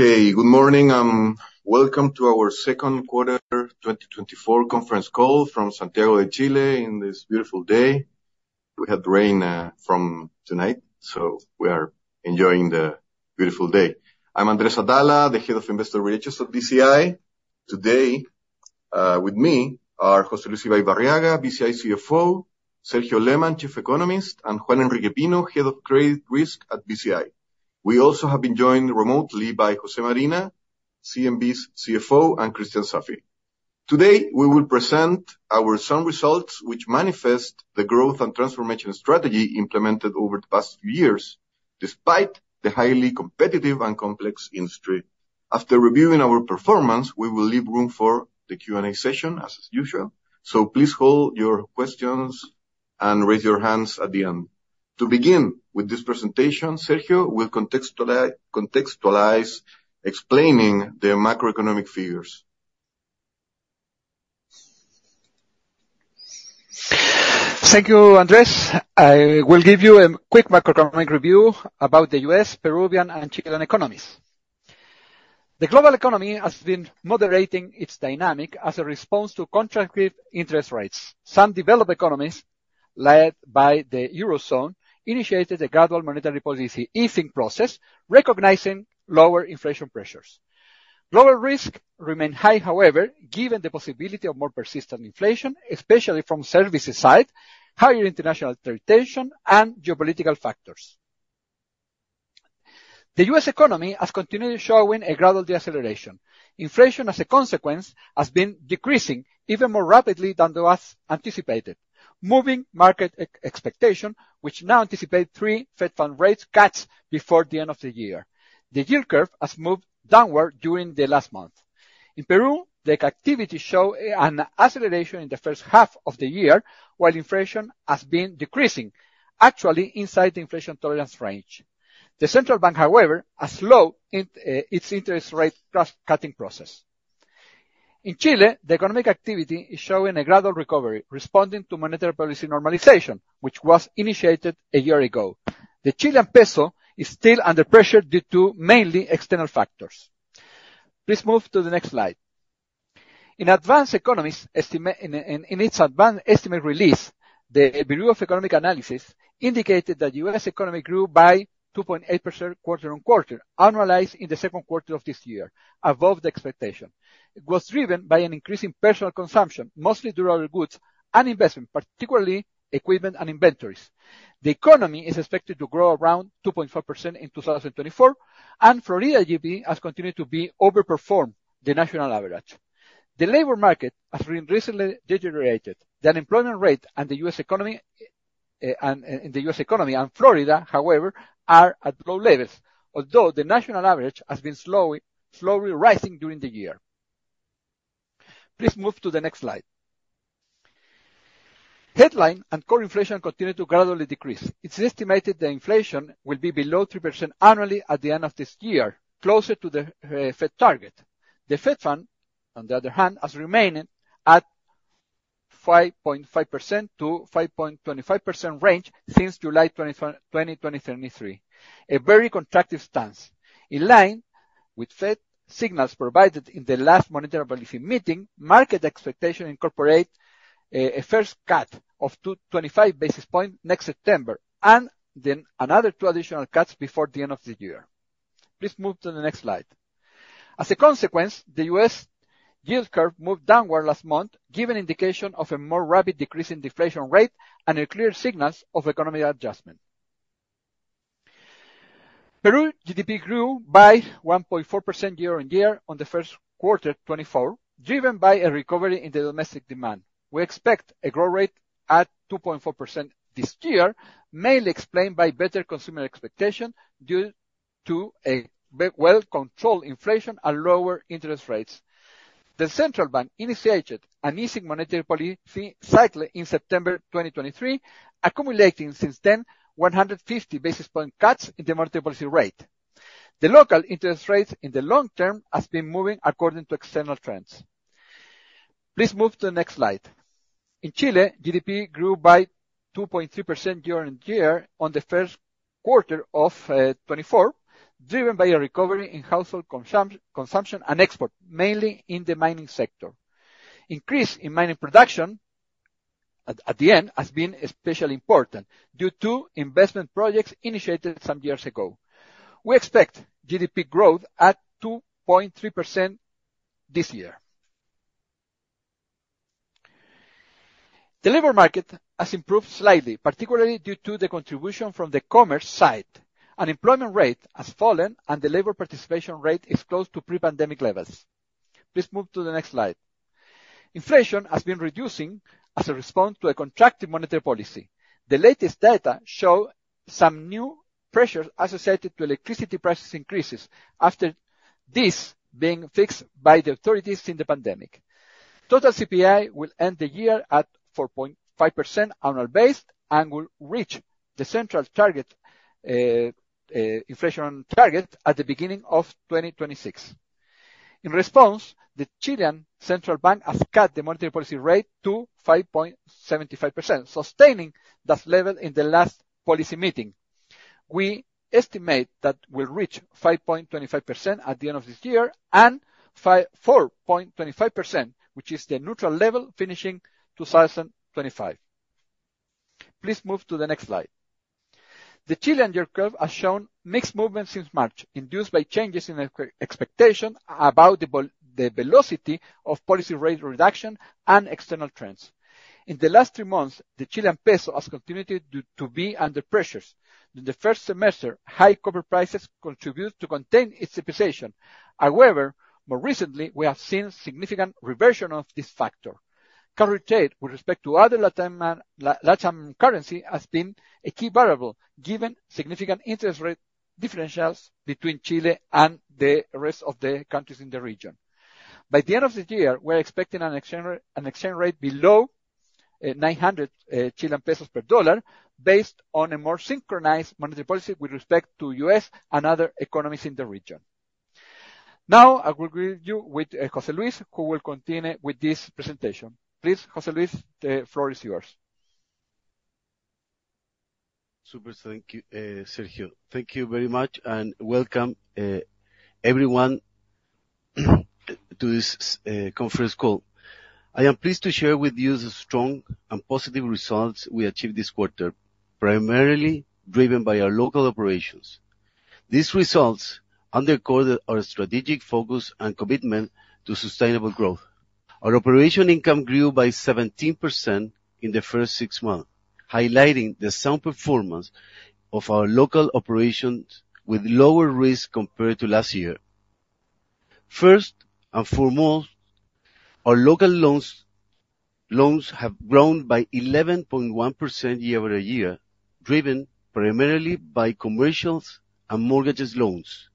Okay. Good morning, and welcome to our second quarter 2024 conference call from Santiago de Chile in this beautiful day. We had rain from tonight, so we are enjoying the beautiful day. I'm Andrés Atala, the Head of Investor Relations of BCI. Today, with me are José Luis Ibaibarriaga, BCI CFO, Sergio Lehmann, Chief Economist, and Juan Enrique Pino, Head of Credit Risk at BCI. We also have been joined remotely by José Marina, CNB's CFO, and Cristián García-Huidobro. Today, we will present our sound results which manifest the growth and transformation strategy implemented over the past few years, despite the highly competitive and complex industry. After reviewing our performance, we will leave room for the Q&A session as usual. Please hold your questions and raise your hands at the end. To begin with this presentation, Sergio will contextualize explaining the macroeconomic figures. Thank you, Andrés. I will give you a quick macroeconomic review about the U.S., Peruvian, and Chilean economies. The global economy has been moderating its dynamics as a response to contractionary interest rates. Some developed economies, led by the Eurozone, initiated a gradual monetary policy easing process, recognizing lower inflation pressures. Global risks remain high, however, given the possibility of more persistent inflation, especially from services side, higher international tension, and geopolitical factors. The U.S. economy has continued showing a gradual deceleration. Inflation, as a consequence, has been decreasing even more rapidly than was anticipated, moving market expectations, which now anticipate three Fed funds rate cuts before the end of the year. The yield curve has moved downward during the last month. In Peru, the activity shows an acceleration in the first half of the year, while inflation has been decreasing, actually inside the inflation tolerance range. The central bank, however, has slowed in its interest rate cutting process. In Chile, the economic activity is showing a gradual recovery, responding to monetary policy normalization, which was initiated a year ago. The Chilean peso is still under pressure due to mainly external factors. Please move to the next slide. In its advanced estimate release, the Bureau of Economic Analysis indicated that U.S. economy grew by 2.8% quarter-on-quarter, annualized in the second quarter of this year, above the expectation. It was driven by an increase in personal consumption, mostly durable goods and investment, particularly equipment and inventories. The economy is expected to grow around 2.4% in 2024, and Florida GDP has continued to outperform the national average. The labor market has been recently deteriorated. The unemployment rate and the U.S. economy and Florida, however, are at low levels, although the national average has been slowly rising during the year. Please move to the next slide. Headline and core inflation continue to gradually decrease. It's estimated the inflation will be below 3% annually at the end of this year, closer to the Fed target. The Fed funds, on the other hand, has remained at 5.25%-5.50% range since July 25, 2023. A very contractionary stance. In line with Fed signals provided in the last monetary policy meeting, market expectation incorporate a first cut of 25 basis points next September, and then another two additional cuts before the end of the year. Please move to the next slide. As a consequence, the U.S. yield curve moved downward last month, given indications of a more rapid decrease in inflation rate and clear signals of economic adjustment. Peru GDP grew by 1.4% year-on-year in the first quarter 2024, driven by a recovery in the domestic demand. We expect a growth rate of 2.4% this year, mainly explained by better consumer expectation due to a well-controlled inflation and lower interest rates. The central bank initiated an easing monetary policy cycle in September 2023, accumulating since then 150 basis point cuts in the monetary policy rate. The local interest rates in the long term have been moving according to external trends. Please move to the next slide. In Chile, GDP grew by 2.3% year-on-year in the first quarter of 2024, driven by a recovery in household consumption and export, mainly in the mining sector. Increase in mining production at the end has been especially important due to investment projects initiated some years ago. We expect GDP growth at 2.3% this year. The labor market has improved slightly, particularly due to the contribution from the commerce side. Unemployment rate has fallen, and the labor participation rate is close to pre-pandemic levels. Please move to the next slide. Inflation has been reducing as a response to a contractive monetary policy. The latest data show some new pressures associated to electricity prices increases after this being fixed by the authorities in the pandemic. Total CPI will end the year at 4.5% annual basis and will reach the central target, inflation target at the beginning of 2026. In response, the Central Bank of Chile has cut the monetary policy rate to 5.75%, sustaining that level in the last policy meeting. We estimate that we'll reach 5.25% at the end of this year and four point twenty-five percent, which is the neutral level, finishing 2025. Please move to the next slide. The Chilean curve has shown mixed movement since March, induced by changes in expectation about the velocity of policy rate reduction and external trends. In the last three months, the Chilean peso has continued to be under pressure. In the first semester, high copper prices contributed to contain its depreciation. However, more recently, we have seen significant reversion of this factor. Current rate with respect to other LatAm, Latin currency has been a key variable, given significant interest rate differentials between Chile and the rest of the countries in the region. By the end of this year, we're expecting an exchange rate below 900 Chilean pesos per dollar based on a more synchronized monetary policy with respect to U.S. and other economies in the region. Now, I will greet you with José Luis, who will continue with this presentation. Please, José Luis, the floor is yours. Super. Thank you, Sergio. Thank you very much and welcome, everyone to this conference call. I am pleased to share with you the strong and positive results we achieved this quarter, primarily driven by our local operations. These results underscore our strategic focus and commitment to sustainable growth. Our operating income grew by 17% in the first six months, highlighting the sound performance of our local operations with lower risk compared to last year. First and foremost, our local loans have grown by 11.1% year-over-year, driven primarily by commercial and mortgage loans,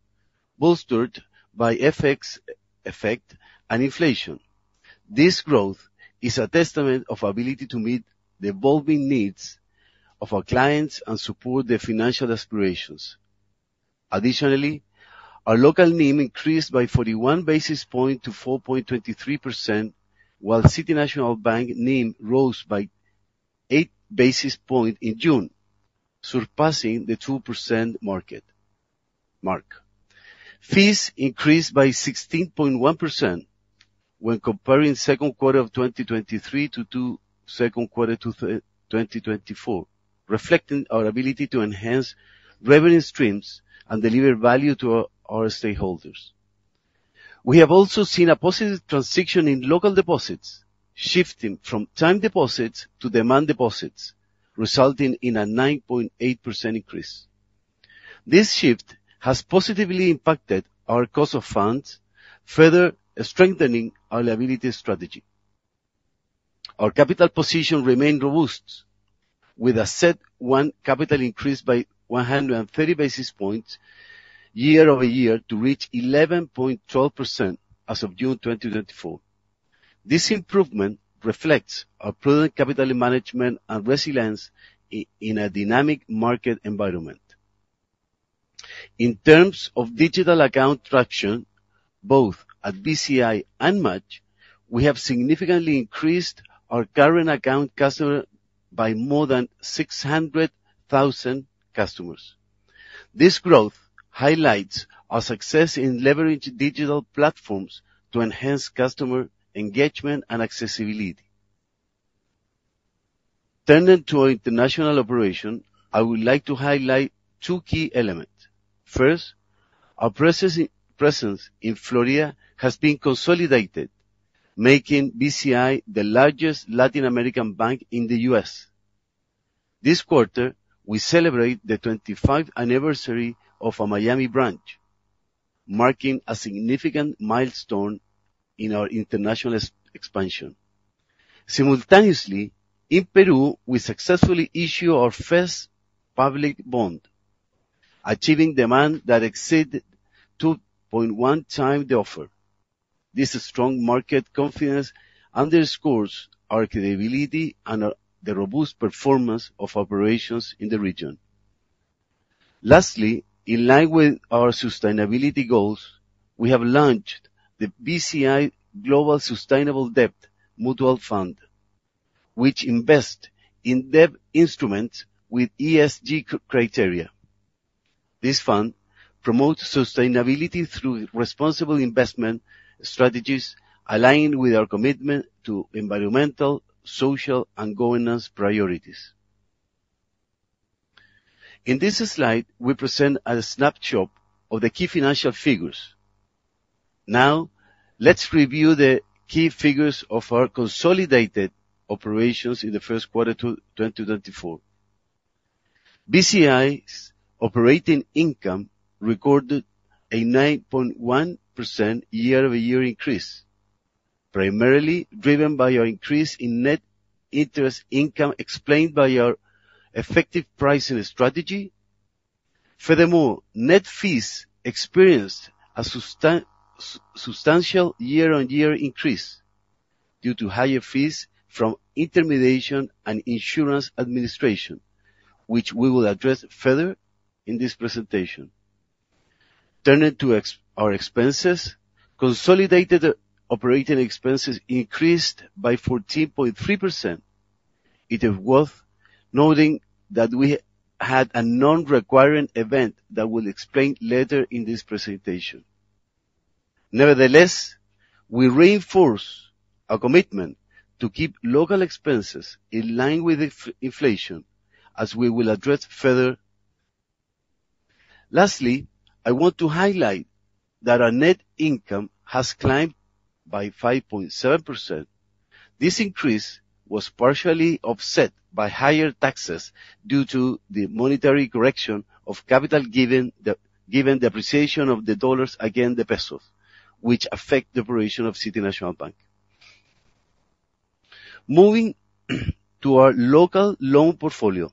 bolstered by FX effect and inflation. This growth is a testament to our ability to meet the evolving needs of our clients and support their financial aspirations. Additionally, our local NIM increased by 41 basis points to 4.23%, while City National Bank NIM rose by eight basis points in June, surpassing the 2% market mark. Fees increased by 16.1% when comparing second quarter of 2023 to the second quarter of 2024, reflecting our ability to enhance revenue streams and deliver value to our stakeholders. We have also seen a positive transition in local deposits, shifting from time deposits to demand deposits, resulting in a 9.8% increase. This shift has positively impacted our cost of funds, further strengthening our liability strategy. Our capital position remained robust, with a CET1 capital increase by 130 basis points year-over-year to reach 11.12% as of June 2024. This improvement reflects our prudent capital management and resilience in a dynamic market environment. In terms of digital account traction, both at BCI and MACH, we have significantly increased our current account customer by more than 600,000 customers. This growth highlights our success in leveraging digital platforms to enhance customer engagement and accessibility. Turning to our international operation, I would like to highlight two key elements. First, our presence in Florida has been consolidated, making BCI the largest Latin American bank in the U.S. This quarter, we celebrate the 25th anniversary of our Miami branch, marking a significant milestone in our international expansion. Simultaneously, in Peru, we successfully issued our first public bond, achieving demand that exceeded 2.1 times the offer. This strong market confidence underscores our credibility and the robust performance of operations in the region. Lastly, in line with our sustainability goals, we have launched the BCI Global Sustainable Debt Mutual Fund, which invest in debt instruments with ESG criteria. This fund promotes sustainability through responsible investment strategies aligned with our commitment to environmental, social, and governance priorities. In this slide, we present a snapshot of the key financial figures. Now, let's review the key figures of our consolidated operations in the first quarter of 2024. BCI's operating income recorded a 9.1% year-over-year increase, primarily driven by our increase in net interest income explained by our effective pricing strategy. Furthermore, net fees experienced a substantial year-over-year increase due to higher fees from intermediation and insurance administration, which we will address further in this presentation. Turning to our expenses, consolidated operating expenses increased by 14.3%. It is worth noting that we had a non-recurring event that we'll explain later in this presentation. Nevertheless, we reinforce our commitment to keep local expenses in line with inflation, as we will address further. Lastly, I want to highlight that our net income has climbed by 5.7%. This increase was partially offset by higher taxes due to the monetary correction of capital given the appreciation of the US dollars against the Chilean pesos, which affect the operation of City National Bank. Moving to our local loan portfolio.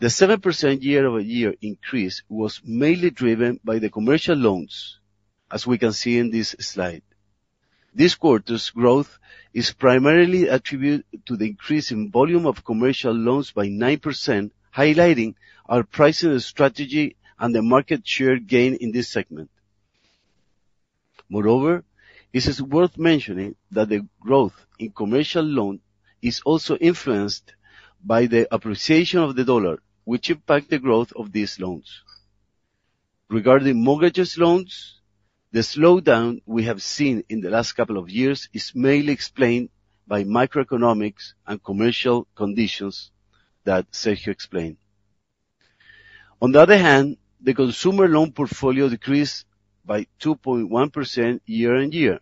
The 7% year-over-year increase was mainly driven by the commercial loans, as we can see in this slide. This quarter's growth is primarily attributed to the increase in volume of commercial loans by 9%, highlighting our pricing strategy and the market share gain in this segment. Moreover, this is worth mentioning that the growth in commercial loan is also influenced by the appreciation of the dollar, which impact the growth of these loans. Regarding mortgages loans, the slowdown we have seen in the last couple of years is mainly explained by macroeconomic and commercial conditions that Sergio explained. On the other hand, the consumer loan portfolio decreased by 2.1% year-on-year,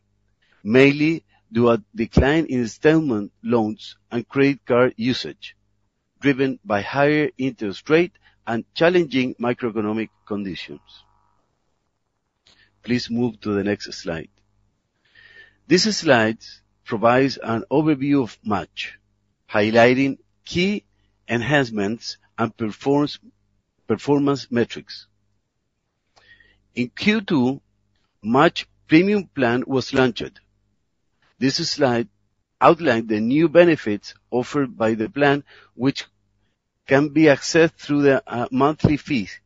mainly due a decline in installment loans and credit card usage, driven by higher interest rate and challenging macroeconomic conditions. Please move to the next slide. This slide provides an overview of MACH, highlighting key enhancements and performance metrics. In Q2, MACH premium plan was launched. This slide outline the new benefits offered by the plan, which can be accessed through the monthly fees.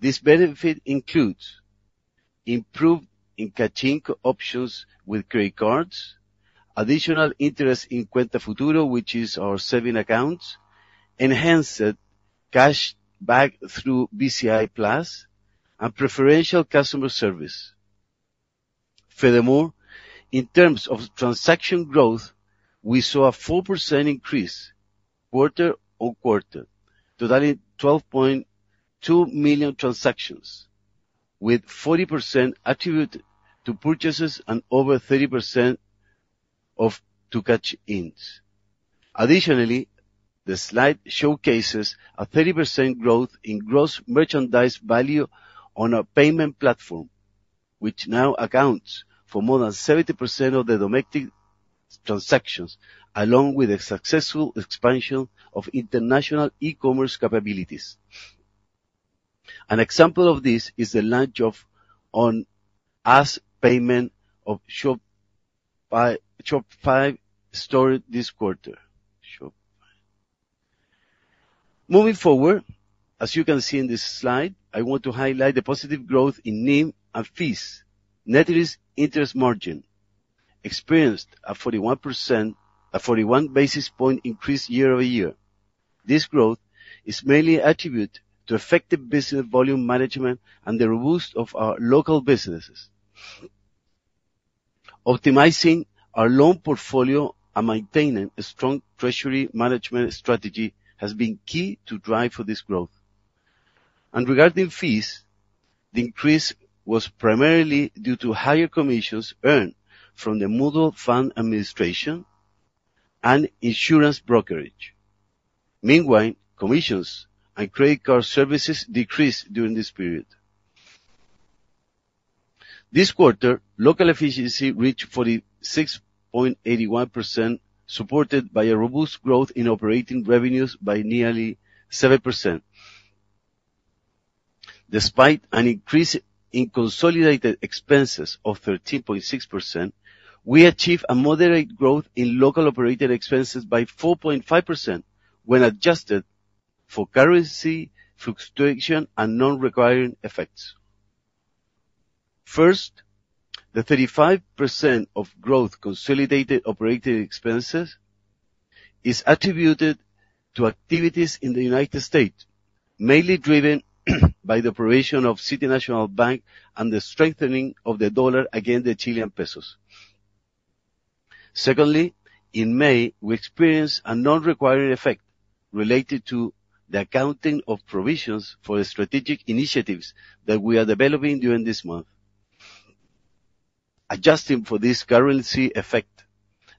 This benefit includes improved encashing options with credit cards, additional interest in Cuenta Futuro, which is our savings accounts, enhanced cash back through BCI Plus, and preferential customer service. Furthermore, in terms of transaction growth, we saw a 4% increase quarter-over-quarter, totaling 12.2 million transactions, with 40% attributed to purchases and over 30% to cash-ins. Additionally, the slide showcases a 30% growth in gross merchandise value on our payment platform, which now accounts for more than 70% of the domestic transactions, along with the successful expansion of international e-commerce capabilities. An example of this is the launch of on-us payment of Shopify store this quarter. Moving forward, as you can see in this slide, I want to highlight the positive growth in NIM and fees. Net interest margin experienced a 41%... A 41 basis point increase year over year. This growth is mainly attributed to effective business volume management and the robustness of our local businesses. Optimizing our loan portfolio and maintaining a strong treasury management strategy has been key to drive for this growth. Regarding fees, the increase was primarily due to higher commissions earned from the mutual fund administration and insurance brokerage. Meanwhile, commissions and credit card services decreased during this period. This quarter, local efficiency reached 46.81%, supported by a robust growth in operating revenues by nearly 7%. Despite an increase in consolidated expenses of 13.6%, we achieved a moderate growth in local operating expenses by 4.5% when adjusted for currency fluctuation and non-recurring effects. First, the 35% growth in consolidated operating expenses is attributed to activities in the United States, mainly driven by the operation of City National Bank and the strengthening of the dollar against the Chilean peso. Second, in May, we experienced a non-recurring effect related to the accounting of provisions for the strategic initiatives that we are developing during this month. Adjusting for this currency effect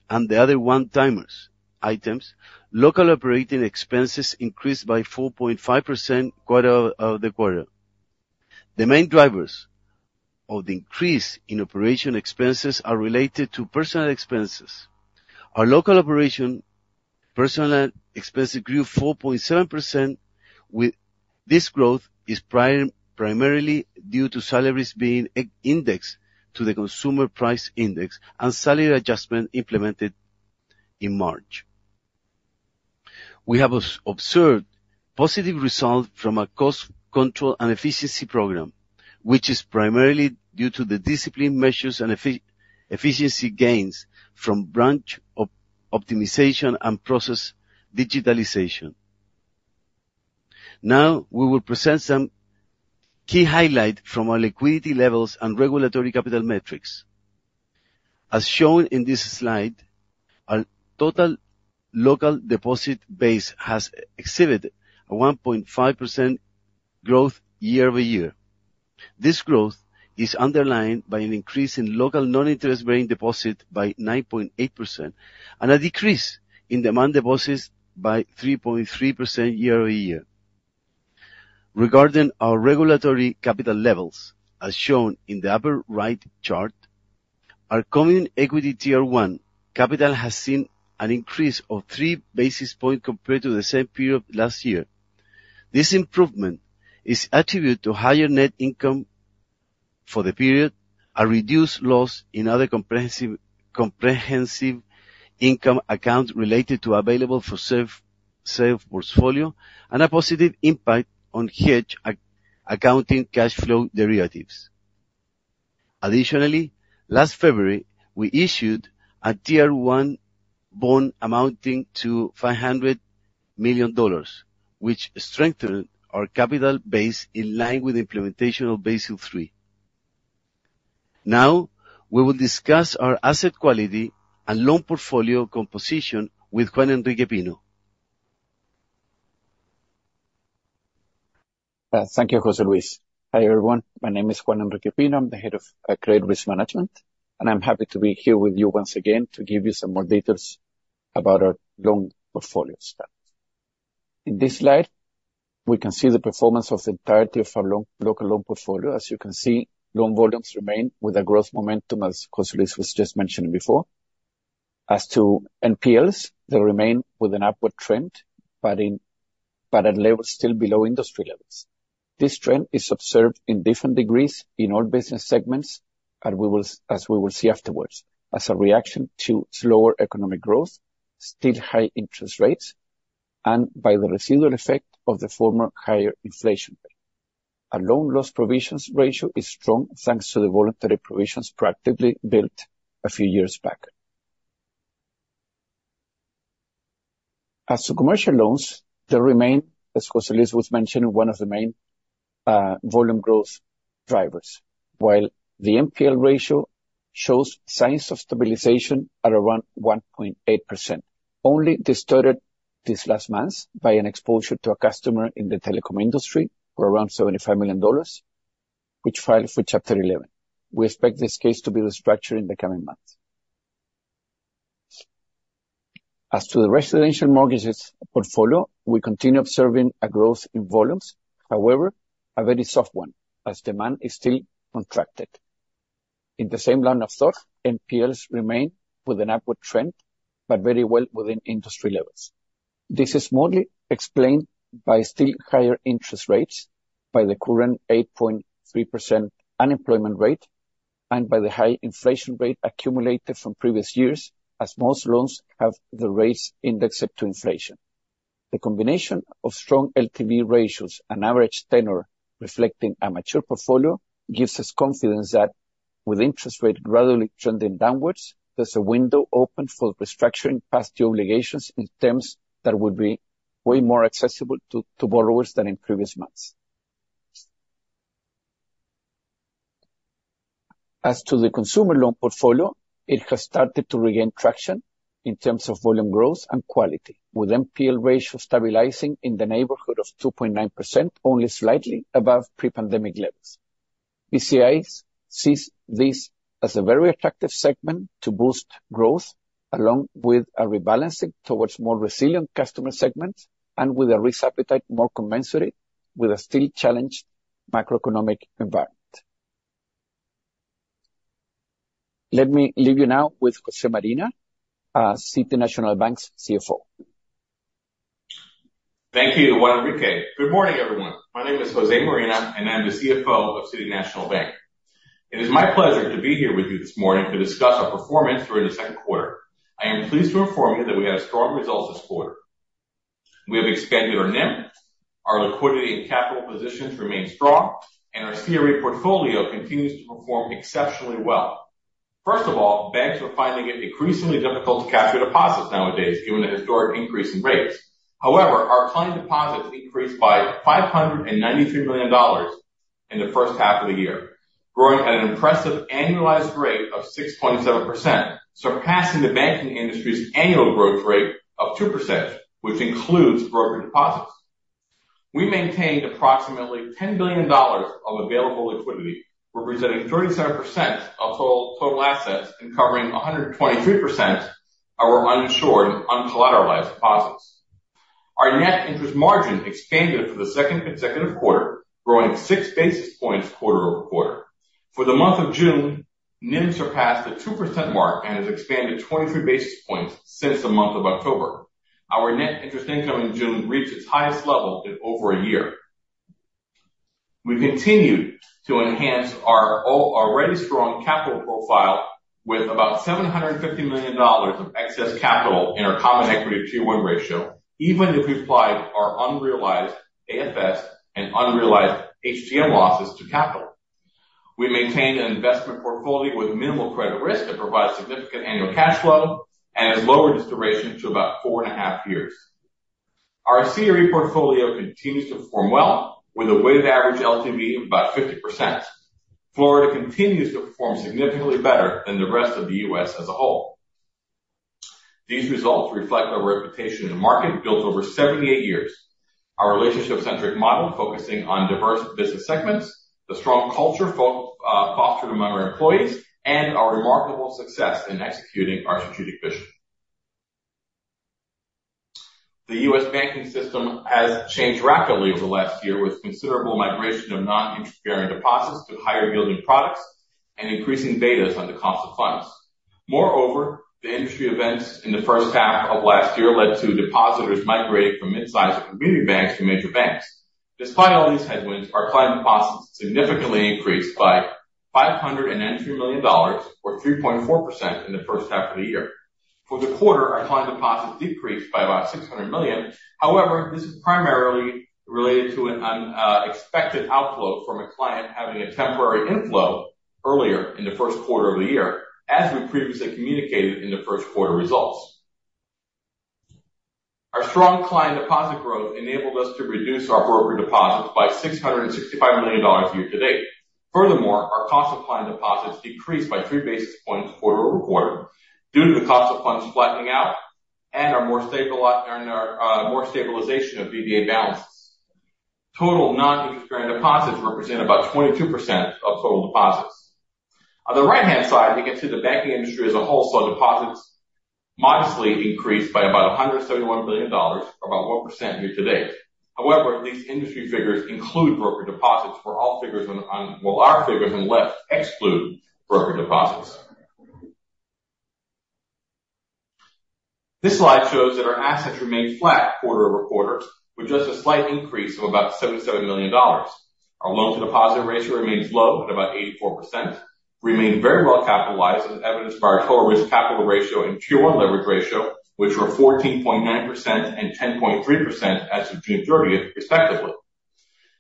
and the other one-time items, local operating expenses increased by 4.5% quarter-over-quarter. The main drivers of the increase in operating expenses are related to personnel expenses. Our local operations personnel expenses grew 4.7%. This growth is primarily due to salaries being indexed to the consumer price index and salary adjustment implemented in March. We have observed positive results from a cost control and efficiency program, which is primarily due to the discipline measures and efficiency gains from branch optimization and process digitalization. Now we will present some key highlights from our liquidity levels and regulatory capital metrics. As shown in this slide, our total local deposit base has exceeded a 1.5% growth year-over-year. This growth is underlined by an increase in local non-interest bearing deposit by 9.8% and a decrease in demand deposits by 3.3% year-over-year. Regarding our regulatory capital levels, as shown in the upper right chart, our common equity Tier 1 capital has seen an increase of three basis points compared to the same period last year. This improvement is attributed to higher net income for the period, a reduced loss in other comprehensive income accounts related to available-for-sale portfolio, and a positive impact on hedge accounting cash flow derivatives. Additionally, last February, we issued a Tier 1 bond amounting to $500 million, which strengthened our capital base in line with the implementation of Basel III. Now we will discuss our asset quality and loan portfolio composition with Juan Enrique Pino. Thank you, José Luis. Hi, everyone. My name is Juan Enrique Pino. I'm the head of Credit Risk Management, and I'm happy to be here with you once again to give you some more details about our loan portfolio status. In this slide, we can see the performance of the entirety of our local loan portfolio. As you can see, loan volumes remain with a growth momentum, as José Luis was just mentioning before. As to NPLs, they remain with an upward trend, but at levels still below industry levels. This trend is observed in different degrees in all business segments, and we will see afterwards, as a reaction to slower economic growth, still high interest rates, and by the residual effect of the former higher inflation rate. Our loan loss provisions ratio is strong, thanks to the voluntary provisions proactively built a few years back. As to commercial loans, they remain, as José Luis Ibaibarriaga was mentioning, one of the main volume growth drivers, while the NPL ratio shows signs of stabilization at around 1.8%, only distorted these last months by an exposure to a customer in the telecom industry for around $75 million, which filed for Chapter 11. We expect this case to be restructured in the coming months. As to the residential mortgages portfolio, we continue observing a growth in volumes, however, a very soft one, as demand is still contracted. In the same line of thought, NPLs remain with an upward trend, but very well within industry levels. This is mostly explained by still higher interest rates, by the current 8.3% unemployment rate, and by the high inflation rate accumulated from previous years as most loans have the rates indexed to inflation. The combination of strong LTV ratios and average tenor reflecting a mature portfolio gives us confidence that with interest rates gradually trending downwards. There's a window open for restructuring past due obligations in terms that will be way more accessible to borrowers than in previous months. As to the consumer loan portfolio, it has started to regain traction in terms of volume growth and quality, with NPL ratio stabilizing in the neighborhood of 2.9%, only slightly above pre-pandemic levels. BCI sees this as a very attractive segment to boost growth, along with a rebalancing towards more resilient customer segments and with a risk appetite more commensurate with a still challenged macroeconomic environment. Let me leave you now with José Marina, City National Bank of Florida's CFO. Thank you, Juan Enrique Pino. Good morning, everyone. My name is José Marina, and I'm the CFO of City National Bank of Florida. It is my pleasure to be here with you this morning to discuss our performance during the second quarter. I am pleased to inform you that we had strong results this quarter. We have expanded our NIM, our liquidity and capital positions remain strong, and our CRA portfolio continues to perform exceptionally well. First of all, banks are finding it increasingly difficult to capture deposits nowadays, given the historic increase in rates. However, our client deposits increased by $593 million in the first half of the year, growing at an impressive annualized rate of 6.7%, surpassing the banking industry's annual growth rate of 2%, which includes broker deposits. We maintained approximately $10 billion of available liquidity, representing 37% of total assets, and covering 123% of our uninsured and uncollateralized deposits. Our net interest margin expanded for the second consecutive quarter, growing six basis points quarter-over-quarter. For the month of June, NIM surpassed the 2% mark and has expanded 23 basis points since the month of October. Our net interest income in June reached its highest level in over a year. We continued to enhance our already strong capital profile with about $750 million of excess capital in our common equity Tier 1 ratio, even if we applied our unrealized AFS and unrealized HTM losses to capital. We maintained an investment portfolio with minimal credit risk that provides significant annual cash flow and has lowered its duration to about 4.5 years. Our CRE portfolio continues to perform well with a weighted average LTV of about 50%. Florida continues to perform significantly better than the rest of the U.S. as a whole. These results reflect our reputation in the market built over 78 years. Our relationship-centric model focusing on diverse business segments, the strong culture fostered among our employees, and our remarkable success in executing our strategic vision. The U.S. banking system has changed rapidly over the last year with considerable migration of non-interest-bearing deposits to higher yielding products and increasing betas on the cost of funds. Moreover, the industry events in the first half of last year led to depositors migrating from mid-sized community banks to major banks. Despite all these headwinds, our client deposits significantly increased by $590 million or 3.4% in the first half of the year. For the quarter, our client deposits decreased by about 600 million. However, this is primarily related to an unexpected outflow from a client having a temporary inflow earlier in the first quarter of the year, as we previously communicated in the first quarter results. Our strong client deposit growth enabled us to reduce our broker deposits by $665 million year to date. Furthermore, our cost of client deposits decreased by three basis points quarter-over-quarter due to the cost of funds flattening out and our more stabilization of DDA balances. Total non-interest-bearing deposits represent about 22% of total deposits. On the right-hand side, we can see the banking industry as a whole saw deposits modestly increase by about $171 billion or about 1% year to date. However, these industry figures include broker deposits for all figures on while our figures on the left exclude broker deposits. This slide shows that our assets remained flat quarter-over-quarter with just a slight increase of about $77 million. Our loan to deposit ratio remains low at about 84%. We remain very well capitalized as evidenced by our total risk capital ratio and Tier 1 leverage ratio, which were 14.9% and 10.3% as of June 30 respectively.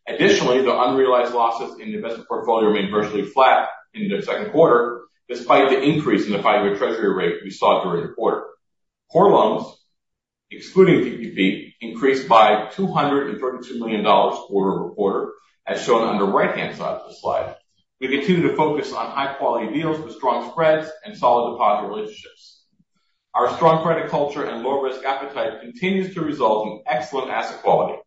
Additionally, the unrealized losses in the investment portfolio remained virtually flat in the second quarter despite the increase in the five-year treasury rate we saw during the quarter. Core loans, excluding PPP, increased by $232 million quarter-over-quarter, as shown on the right-hand side of the slide. We continue to focus on high quality deals with strong spreads and solid deposit relationships. Our strong credit culture and low risk appetite continues to result in excellent asset quality.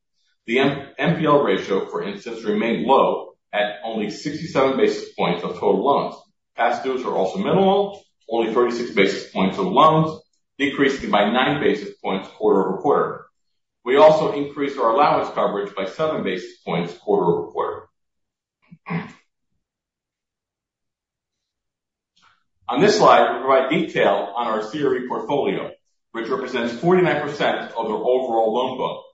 The m-NPL ratio, for instance, remained low at only 67 basis points of total loans. Past dues were also minimal, only 36 basis points of loans, decreasing by 9 basis points quarter-over-quarter. We also increased our allowance coverage by 7 basis points quarter-over-quarter. On this slide, we provide detail on our CRE portfolio, which represents 49% of the overall loan book.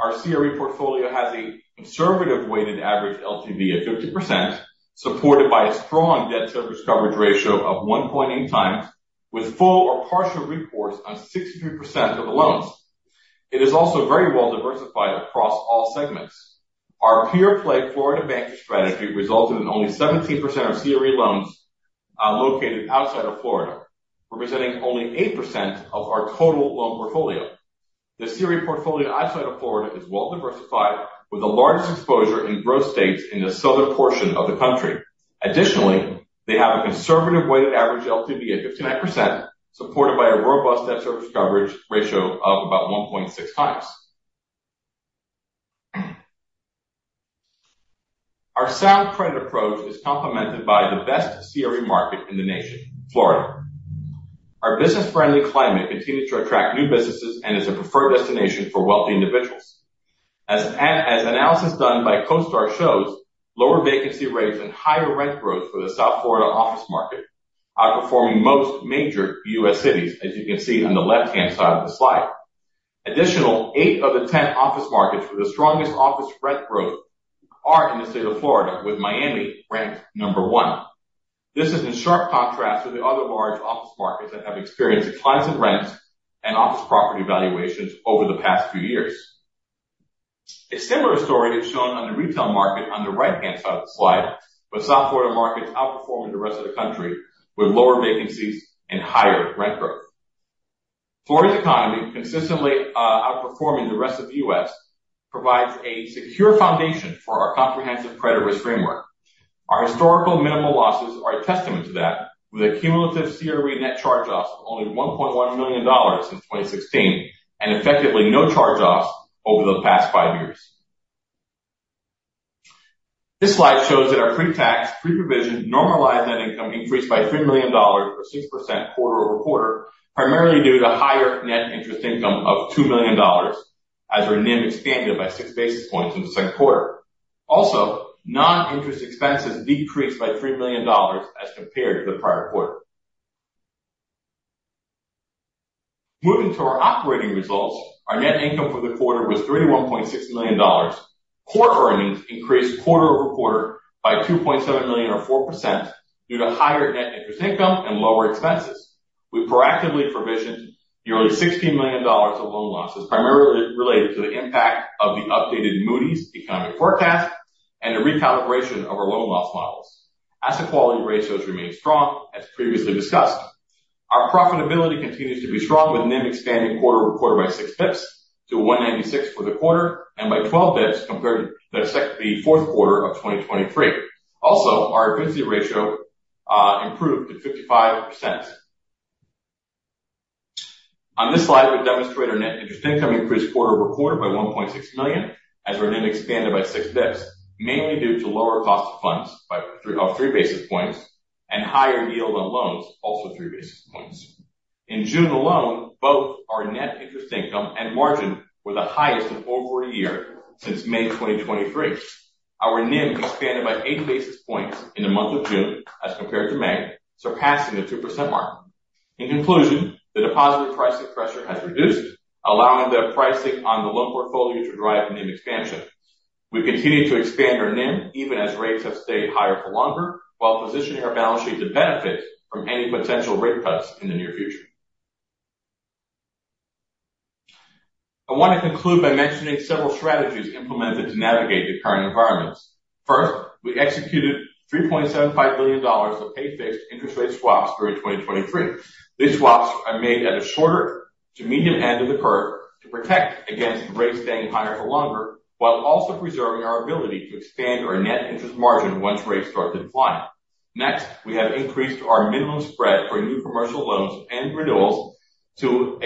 Our CRE portfolio has a conservative weighted average LTV of 50%, supported by a strong debt service coverage ratio of 1.8 times with full or partial recourse on 63% of the loans. It is also very well diversified across all segments. Our pure-play Florida banking strategy resulted in only 17% of CRE loans located outside of Florida, representing only 8% of our total loan portfolio. The CRE portfolio outside of Florida is well diversified, with the largest exposure in growth states in the southern portion of the country. Additionally, they have a conservative weighted average LTV at 59%, supported by a robust debt service coverage ratio of about 1.6 times. Our sound credit approach is complemented by the best CRE market in the nation, Florida. Our business-friendly climate continues to attract new businesses and is a preferred destination for wealthy individuals. As analysis done by CoStar shows, lower vacancy rates and higher rent growth for the South Florida office market, outperforming most major U.S. cities, as you can see on the left-hand side of the slide. Additionally, eight of the 10 office markets with the strongest office rent growth are in the state of Florida, with Miami ranked number one. This is in sharp contrast to the other large office markets that have experienced declines in rents and office property valuations over the past few years. A similar story is shown on the retail market on the right-hand side of the slide, with South Florida markets outperforming the rest of the country with lower vacancies and higher rent growth. Florida's economy consistently outperforming the rest of the U.S., provides a secure foundation for our comprehensive credit risk framework. Our historical minimal losses are a testament to that, with a cumulative CRE net charge-offs of only $1.1 million since 2016 and effectively no charge-offs over the past five years. This slide shows that our pre-tax, pre-provision normalized net income increased by $3 million or 6% quarter-over-quarter, primarily due to higher net interest income of $2 million as our NIM expanded by six basis points in the second quarter. Also, non-interest expenses decreased by $3 million as compared to the prior quarter. Moving to our operating results. Our net income for the quarter was $31.6 million. Core earnings increased quarter-over-quarter by $2.7 million or 4% due to higher net interest income and lower expenses. We proactively provisioned nearly $16 million of loan losses, primarily related to the impact of the updated Moody's economic forecast and a recalibration of our loan loss models. Asset quality ratios remain strong, as previously discussed. Our profitability continues to be strong with NIM expanding quarter-over-quarter by six basis points to 1.96 for the quarter and by 12 basis points compared to the fourth quarter of 2023. Also, our efficiency ratio improved to 55%. On this slide, we demonstrate our net interest income increased quarter-over-quarter by $1.6 million as our NIM expanded by six basis points, mainly due to lower cost of funds by three basis points and higher yield on loans, also three basis points. In June alone, both our net interest income and margin were the highest in over a year since May 2023. Our NIM expanded by eight basis points in the month of June as compared to May, surpassing the 2% mark. In conclusion, the deposit pricing pressure has reduced, allowing the pricing on the loan portfolio to drive NIM expansion. We continue to expand our NIM even as rates have stayed higher for longer, while positioning our balance sheet to benefit from any potential rate cuts in the near future. I want to conclude by mentioning several strategies implemented to navigate the current environment. First, we executed $3.75 billion of pay fixed interest rate swaps during 2023. These swaps are made at a shorter to medium end of the curve to protect against rates staying higher for longer, while also preserving our ability to expand our net interest margin once rates start to decline. Next, we have increased our minimum spread for new commercial loans and renewals to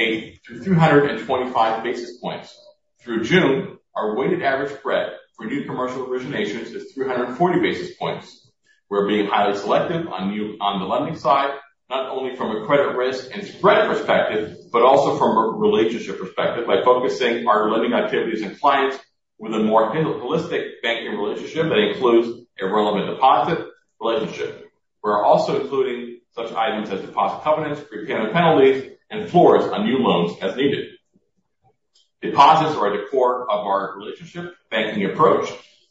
325 basis points. Through June, our weighted average spread for new commercial originations is 340 basis points. We're being highly selective on new on the lending side, not only from a credit risk and spread perspective, but also from a relationship perspective by focusing our lending activities and clients with a more holistic banking relationship that includes a relevant deposit relationship. We're also including such items as deposit covenants, prepayment penalties, and floors on new loans as needed. Deposits are at the core of our relationship banking approach.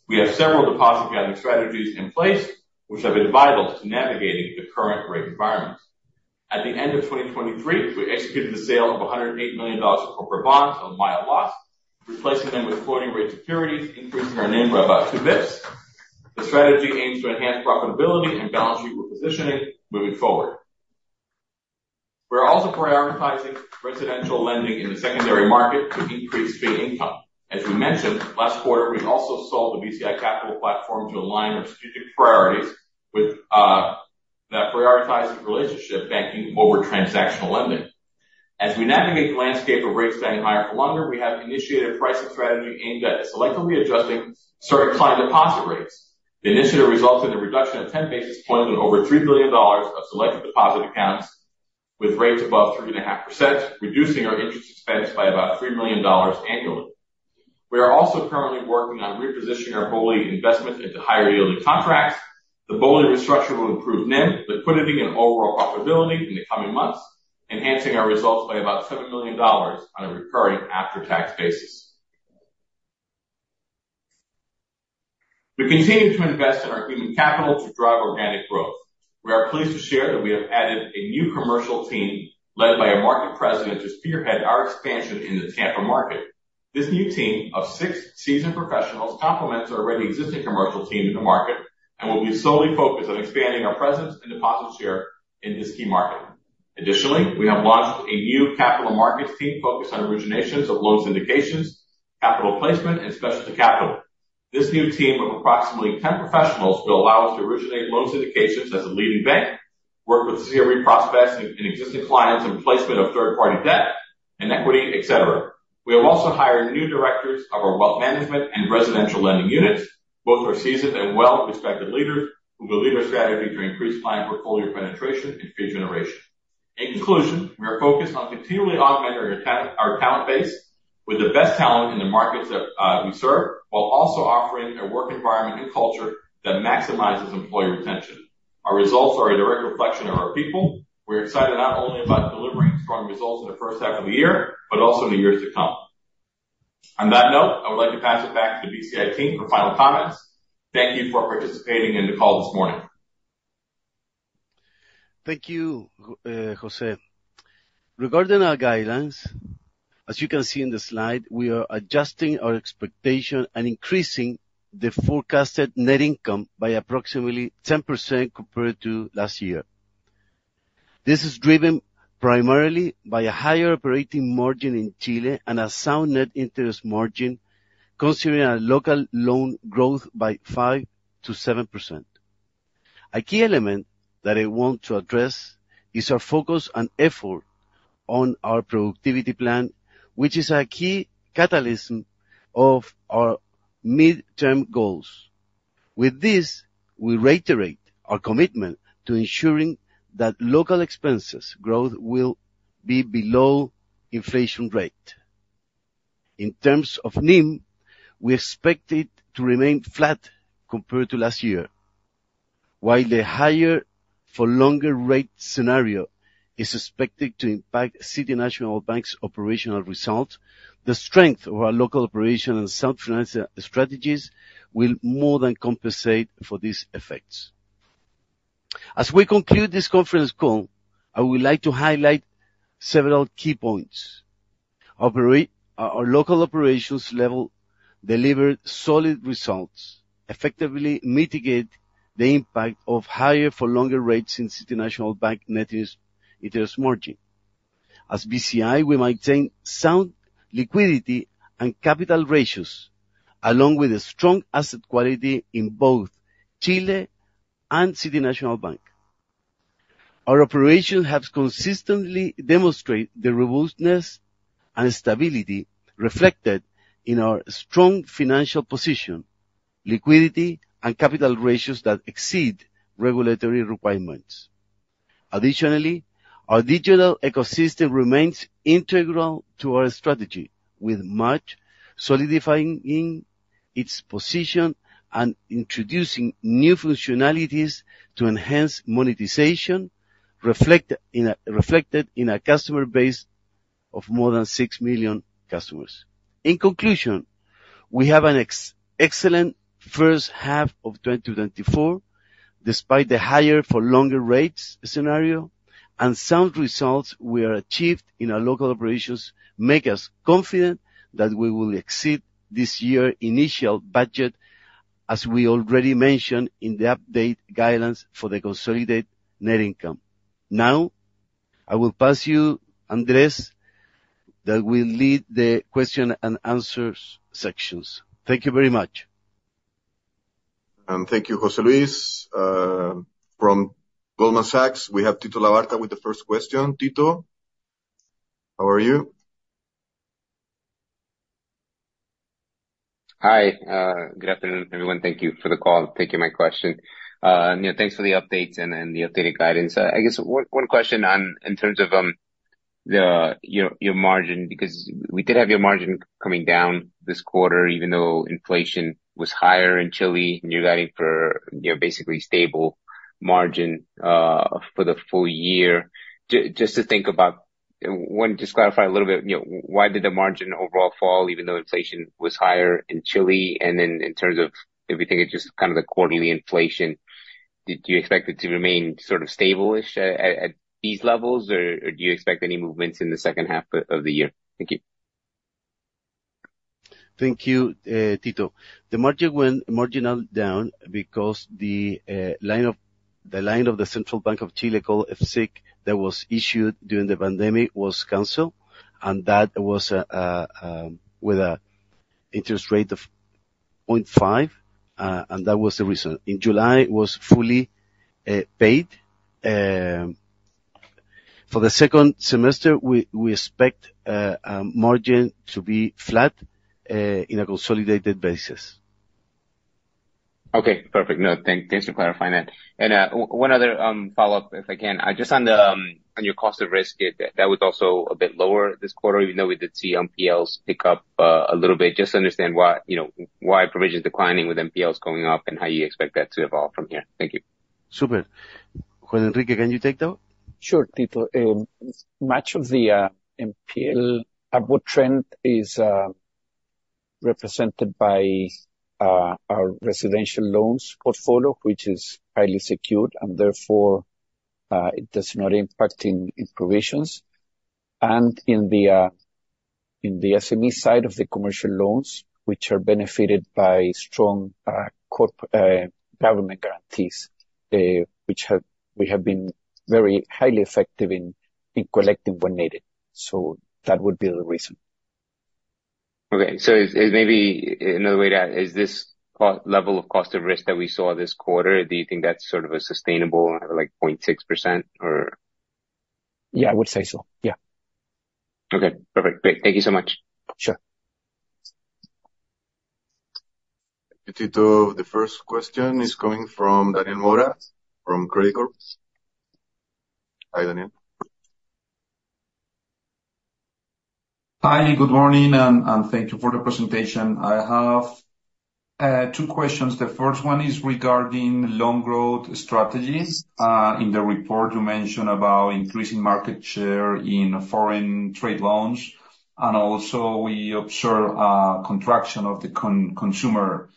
We have several deposit gathering strategies in place which have been vital to navigating the current rate environment. At the end of 2023, we executed the sale of $108 million of corporate bonds at a loss, replacing them with floating rate securities, increasing our NIM by about two basis points. The strategy aims to enhance profitability and balance sheet repositioning moving forward. We are also prioritizing residential lending in the secondary market to increase fee income. As we mentioned last quarter, we also sold the BCI Capital platform to align our strategic priorities with that prioritizing relationship banking over transactional lending. As we navigate the landscape of rates staying higher for longer, we have initiated a pricing strategy aimed at selectively adjusting certain client deposit rates. The initiative results in a reduction of 10 basis points on over $3 billion of selected deposit accounts with rates above 3.5%, reducing our interest expense by about $3 million annually. We are also currently working on repositioning our BOLI investment into higher yielding contracts. The BOLI restructure will improve NIM, liquidity, and overall profitability in the coming months, enhancing our results by about $7 million on a recurring after-tax basis. We continue to invest in our human capital to drive organic growth. We are pleased to share that we have added a new commercial team led by a market president to spearhead our expansion in the Tampa market. This new team of six seasoned professionals complements our already existing commercial team in the market and will be solely focused on expanding our presence and deposit share in this key market. Additionally, we have launched a new capital markets team focused on originations of loan syndications, capital placement, and specialty capital. This new team of approximately 10 professionals will allow us to originate loan syndications as a leading bank, work with CR prospects and existing clients in placement of third-party debt and equity, et cetera. We have also hired new directors of our wealth management and residential lending units. Both are seasoned and well-respected leaders who will lead our strategy to increase client portfolio penetration and fee generation. In conclusion, we are focused on continually augmenting our talent base with the best talent in the markets that we serve, while also offering a work environment and culture that maximizes employee retention. Our results are a direct reflection of our people. We're excited not only about delivering strong results in the first half of the year, but also in the years to come. On that note, I would like to pass it back to the BCI team for final comments. Thank you for participating in the call this morning. Thank you, José. Regarding our guidelines, as you can see in the slide, we are adjusting our expectation and increasing the forecasted net income by approximately 10% compared to last year. This is driven primarily by a higher operating margin in Chile and a sound net interest margin considering a local loan growth by 5%-7%. A key element that I want to address is our focus and effort on our productivity plan, which is a key catalyst of our midterm goals. With this, we reiterate our commitment to ensuring that local expenses growth will be below inflation rate. In terms of NIM, we expect it to remain flat compared to last year. While the higher for longer rate scenario is expected to impact City National Bank of Florida's operational result, the strength of our local operation and sound financial strategies will more than compensate for these effects. As we conclude this conference call, I would like to highlight several key points. Our local operations level delivered solid results, effectively mitigate the impact of higher for longer rates in City National Bank net interest margin. As BCI, we maintain sound liquidity and capital ratios, along with a strong asset quality in both Chile and City National Bank. Our operations have consistently demonstrate the robustness and stability reflected in our strong financial position, liquidity, and capital ratios that exceed regulatory requirements. Additionally, our digital ecosystem remains integral to our strategy, with MACH solidifying in its position and introducing new functionalities to enhance monetization reflected in our customer base of more than six million customers. In conclusion, we have an excellent first half of 2024, despite the higher for longer rates scenario, and sound results we have achieved in our local operations make us confident that we will exceed this year initial budget, as we already mentioned in the update guidance for the consolidated net income. Now, I will pass you to Andrés, who will lead the Q&A session. Thank you very much. Thank you, José Luis. From Goldman Sachs, we have Tito Labarta with the first question. Tito, how are you? Hi. Good afternoon, everyone. Thank you for the call and taking my question. You know, thanks for the updates and the updated guidance. I guess one question on, in terms of, your margin, because we did have your margin coming down this quarter, even though inflation was higher in Chile, and you're guiding for, you know, basically stable margin, for the full year. Want to just clarify a little bit, you know, why did the margin overall fall even though inflation was higher in Chile? And then in terms of if you think it's just kind of the quarterly inflation, did you expect it to remain sort of stable-ish at these levels, or do you expect any movements in the second half of the year? Thank you. Thank you, Tito. The margin went marginally down because the line of the Central Bank of Chile called FCIC that was issued during the pandemic was canceled, and that was with an interest rate of 0.5%, and that was the reason. In July, it was fully paid. For the second semester, we expect margin to be flat in a consolidated basis. Okay. Perfect. No, thanks for clarifying that. One other follow-up, if I can. Just on your cost of risk, that was also a bit lower this quarter, even though we did see NPLs pick up a little bit. Just to understand why, you know, why provision is declining with NPLs going up, and how you expect that to evolve from here. Thank you. Super. Juan Enrique, can you take that one? Sure, Tito. Much of the NPL upward trend is represented by our residential loans portfolio, which is highly secured, and therefore, it does not impact in provisions. In the SME side of the commercial loans, which are benefited by strong government guarantees, we have been very highly effective in collecting when needed. That would be the reason. Is this level of cost of risk that we saw this quarter, do you think that's sort of a sustainable, like 0.6% or? Yeah, I would say so. Yeah. Okay. Perfect. Great. Thank you so much. Sure. Tito, the first question is coming from Daniel Mora from Credicorp. Hi, Daniel. Hi, good morning, and thank you for the presentation. I have two questions. The first one is regarding loan growth strategies. In the report, you mentioned about increasing market share in foreign trade loans, and also we observe contraction of the consumer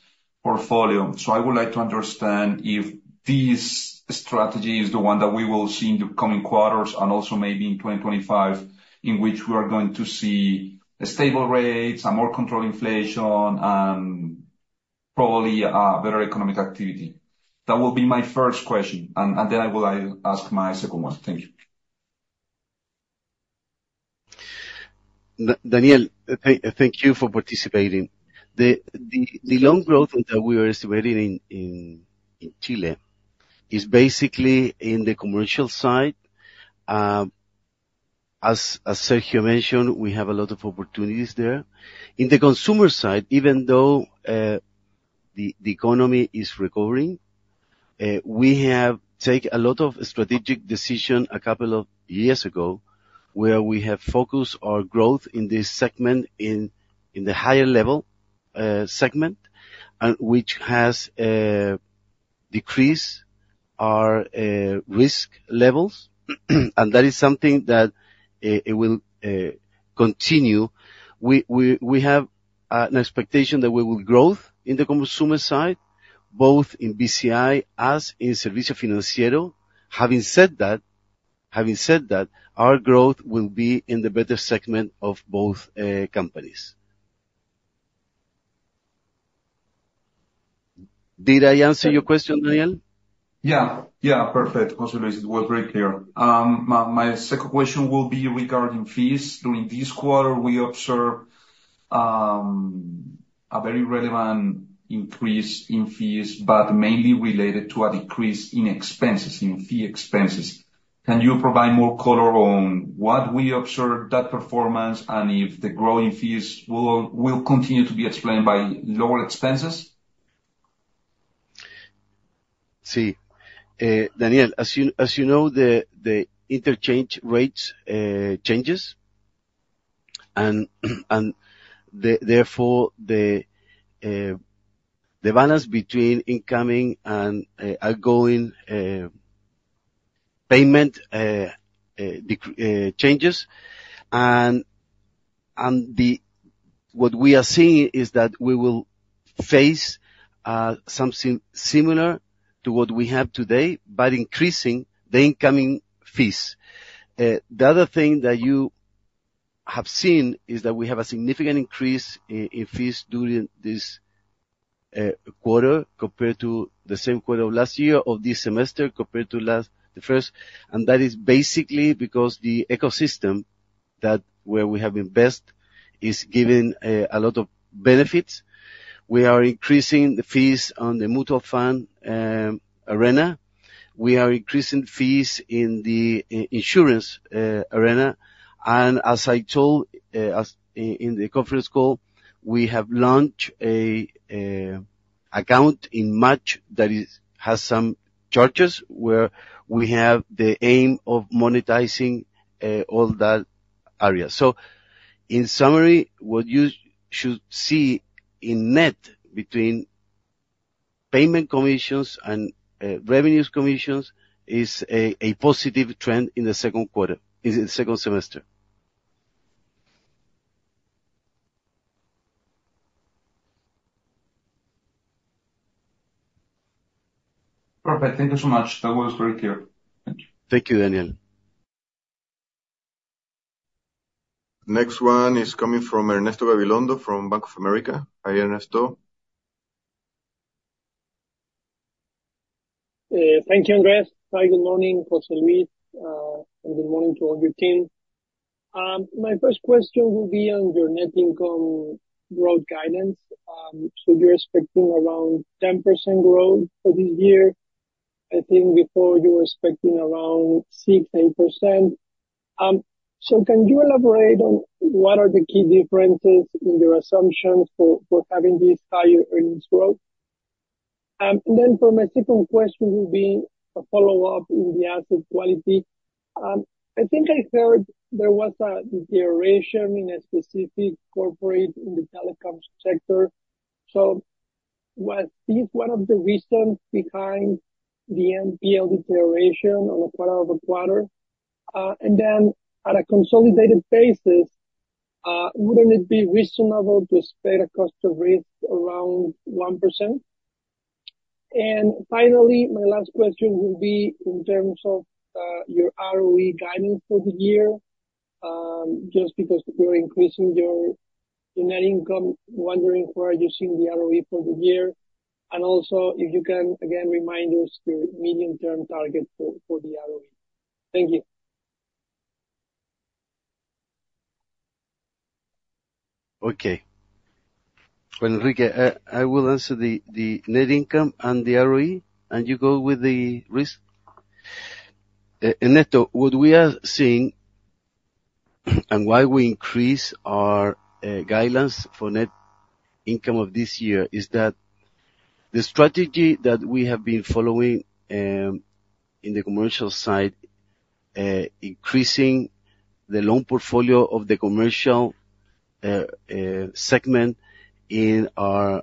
portfolio. I would like to understand if this strategy is the one that we will see in the coming quarters and also maybe in 2025, in which we are going to see stable rates and more controlled inflation and probably better economic activity. That will be my first question, and then I will ask my second one. Thank you. Daniel, thank you for participating. The loan growth that we are estimating in Chile is basically in the commercial side. As Sergio mentioned, we have a lot of opportunities there. In the consumer side, even though the economy is recovering, we have taken a lot of strategic decisions a couple of years ago, where we have focused our growth in this segment in the higher level segment, and which has decreased our risk levels. That is something that it will continue. We have an expectation that we will grow in the consumer side, both in BCI as in Servicios Financieros. Having said that, our growth will be in the better segment of both companies. Did I answer your question, Daniel? Yeah. Perfect. José Luis, it was very clear. My second question will be regarding fees. During this quarter, we observed a very relevant increase in fees, but mainly related to a decrease in expenses, in fee expenses. Can you provide more color on what we observed that performance and if the growing fees will continue to be explained by lower expenses? Yes, Daniel, as you know, the interchange rates changes and therefore the balance between incoming and outgoing payment changes. What we are seeing is that we will face something similar to what we have today, but increasing the incoming fees. The other thing that you have seen is that we have a significant increase in fees during this quarter compared to the same quarter of last year or this semester compared to the first. That is basically because the ecosystem that we have invested is giving a lot of benefits. We are increasing the fees on the mutual fund arena. We are increasing fees in the insurance arena. As I told, as in the conference call, we have launched an account in March that has some charges, where we have the aim of monetizing all that area. In summary, what you should see in net between payment commissions and revenue commissions is a positive trend in the second quarter, in the second semester. Perfect. Thank you so much. That was very clear. Thank you. Thank you, Daniel. Next one is coming from Ernesto Gabilondo from Bank of America. Hi, Ernesto. Thank you, Andrés. Hi, good morning, José Luis. Good morning to all your team. My first question will be on your net income growth guidance. You're expecting around 10% growth for this year. I think before you were expecting around 6%-8%. Can you elaborate on what are the key differences in your assumptions for having this higher earnings growth? For my second question will be a follow-up in the asset quality. I think I heard there was a deterioration in a specific corporate in the telecoms sector. Was this one of the reasons behind the NPL deterioration on a quarter-over-quarter? On a consolidated basis, wouldn't it be reasonable to expect a cost of risk around 1%? Finally, my last question will be in terms of your ROE guidance for the year. Just because you're increasing your net income, wondering where you seeing the ROE for the year. Also if you can again remind us your medium-term target for the ROE. Thank you. Okay. Enrique, I will answer the net income and the ROE, and you go with the risk. Ernesto, what we are seeing and why we increase our guidelines for net income of this year is that the strategy that we have been following in the commercial side. Increasing the loan portfolio of the commercial segment in our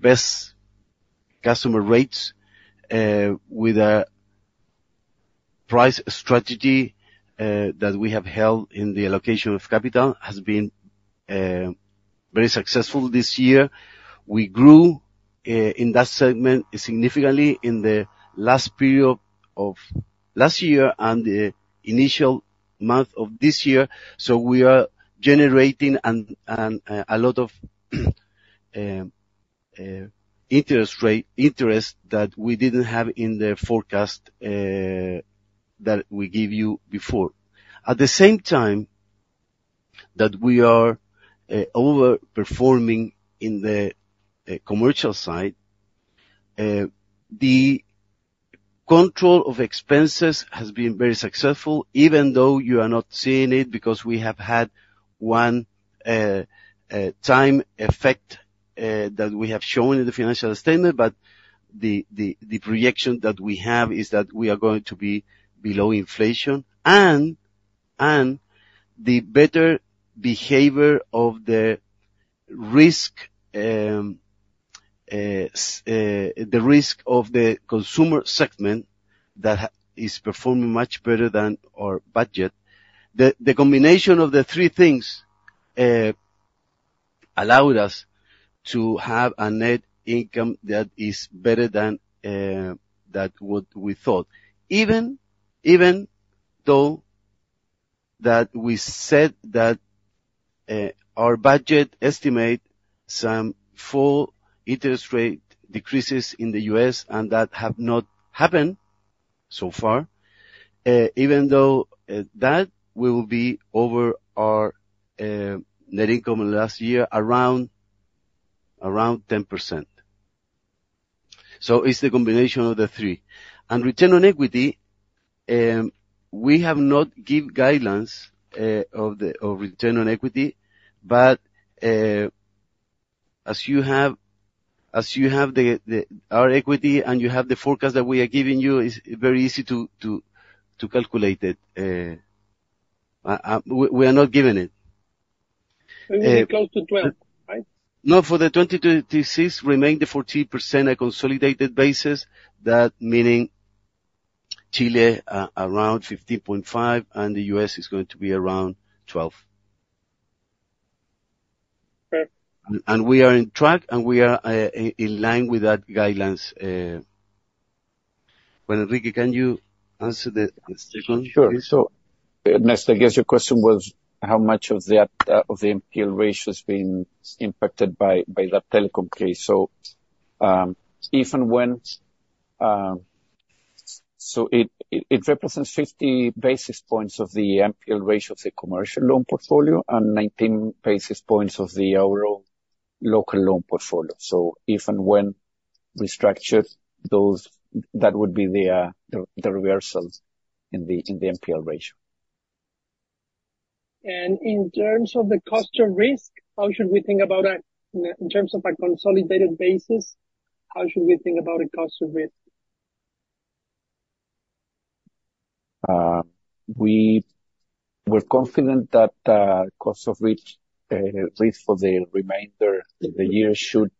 best customer rates with a price strategy that we have held in the allocation of capital, has been very successful this year. We grew in that segment significantly in the last period of last year and the initial month of this year. We are generating and a lot of interest that we didn't have in the forecast that we gave you before. At the same time that we are overperforming in the commercial side, the control of expenses has been very successful, even though you are not seeing it because we have had one time effect that we have shown in the financial statement, but the projection that we have is that we are going to be below inflation. The better behavior of the risk of the consumer segment that is performing much better than our budget. The combination of the three things allowed us to have a net income that is better than what we thought. Even though that we said that our budget estimates some full interest rate decreases in the U.S. and that have not happened so far, even though that will be over our net income last year, around 10%. It's the combination of the three. Return on equity, we have not give guidelines of return on equity, but as you have the our equity and you have the forecast that we are giving you, it's very easy to calculate it. We are not giving it. It goes to 12, right? No, for 2020-2026 remains at 14% on consolidated basis. That means in Chile around 15.5%, and the U.S. is going to be around 12%. Okay. We are on track, and we are in line with that guidelines. Juan Enrique, can you answer the question, please? Sure. Ernesto, I guess your question was how much of the NPL ratio has been impacted by that telecom case. It represents 50 basis points of the NPL ratio of the commercial loan portfolio and 19 basis points of the overall local loan portfolio. If and when we structured those, that would be the reversals in the NPL ratio. In terms of a consolidated basis, how should we think about a cost of risk? We're confident that the cost of risk for the remainder of the year should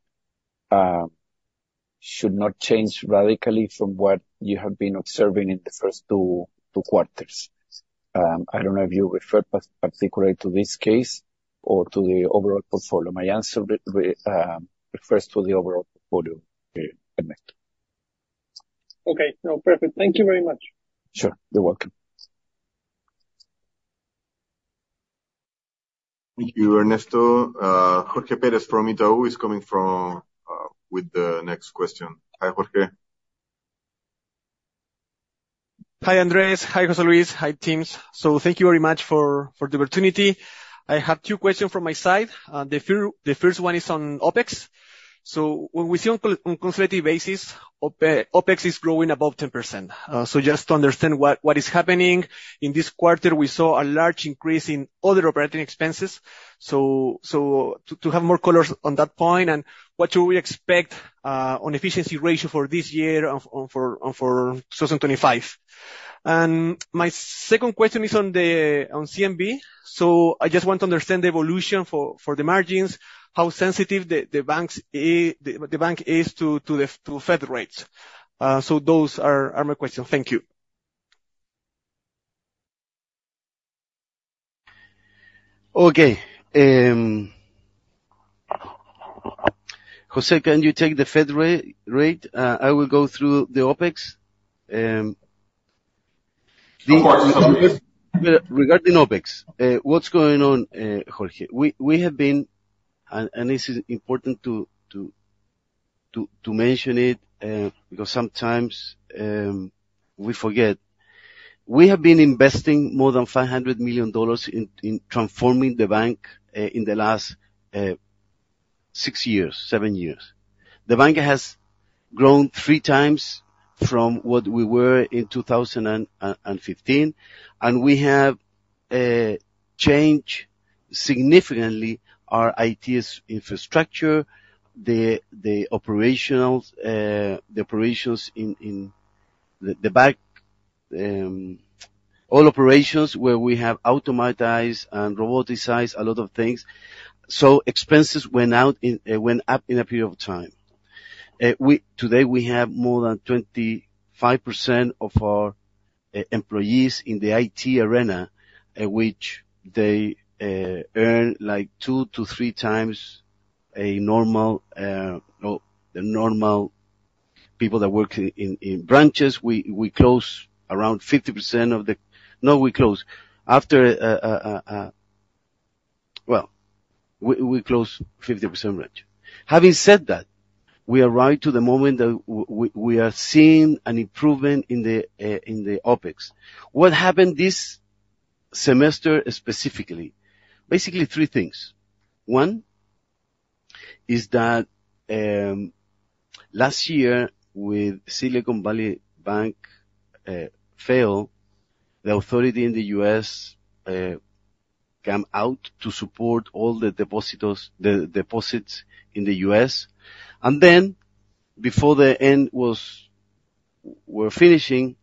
not change radically from what you have been observing in the first two quarters. I don't know if you refer particularly to this case or to the overall portfolio. My answer refers to the overall portfolio, Ernesto. Okay. No, perfect. Thank you very much. Sure. You're welcome. Thank you, Ernesto. Jorge Pérez from Itaú with the next question. Hi, Jorge. Hi, Andrés Atala. Hi, José Luis Ibaibarriaga. Hi, teams. Thank you very much for the opportunity. I have two questions from my side. The first one is on OpEx. When we see on consolidated basis, OpEx is growing above 10%. Just to understand what is happening, in this quarter, we saw a large increase in other operating expenses. To have more colors on that point, and what should we expect on efficiency ratio for this year or for 2025? My second question is on the CMB. I just want to understand the evolution for the margins, how sensitive the bank is to the Fed rates. Those are my questions. Thank you. Okay. José, can you take the Fed rate? I will go through the OpEx. Of course. Regarding OpEx, what's going on, Jorge, this is important to mention it because sometimes we forget. We have been investing more than $500 million in transforming the bank in the last six years, seven years. The bank has grown three times from what we were in 2015, and we have changed significantly our IT infrastructure, the operations in the back. All operations where we have automated and robotized a lot of things. Expenses went up in a period of time. Today we have more than 25% of our employees in the IT arena, which they earn like two to three times the normal people that work in branches. We closed around 50% of the branches. After, well, we closed 50% of branches. Having said that, we are right at the moment that we are seeing an improvement in the OpEx. What happened this semester specifically, basically three things. One is that last year when Silicon Valley Bank failed, the authority in the U.S. came out to support all the depositors, the deposits in the U.S. Then before the end, as we were finishing,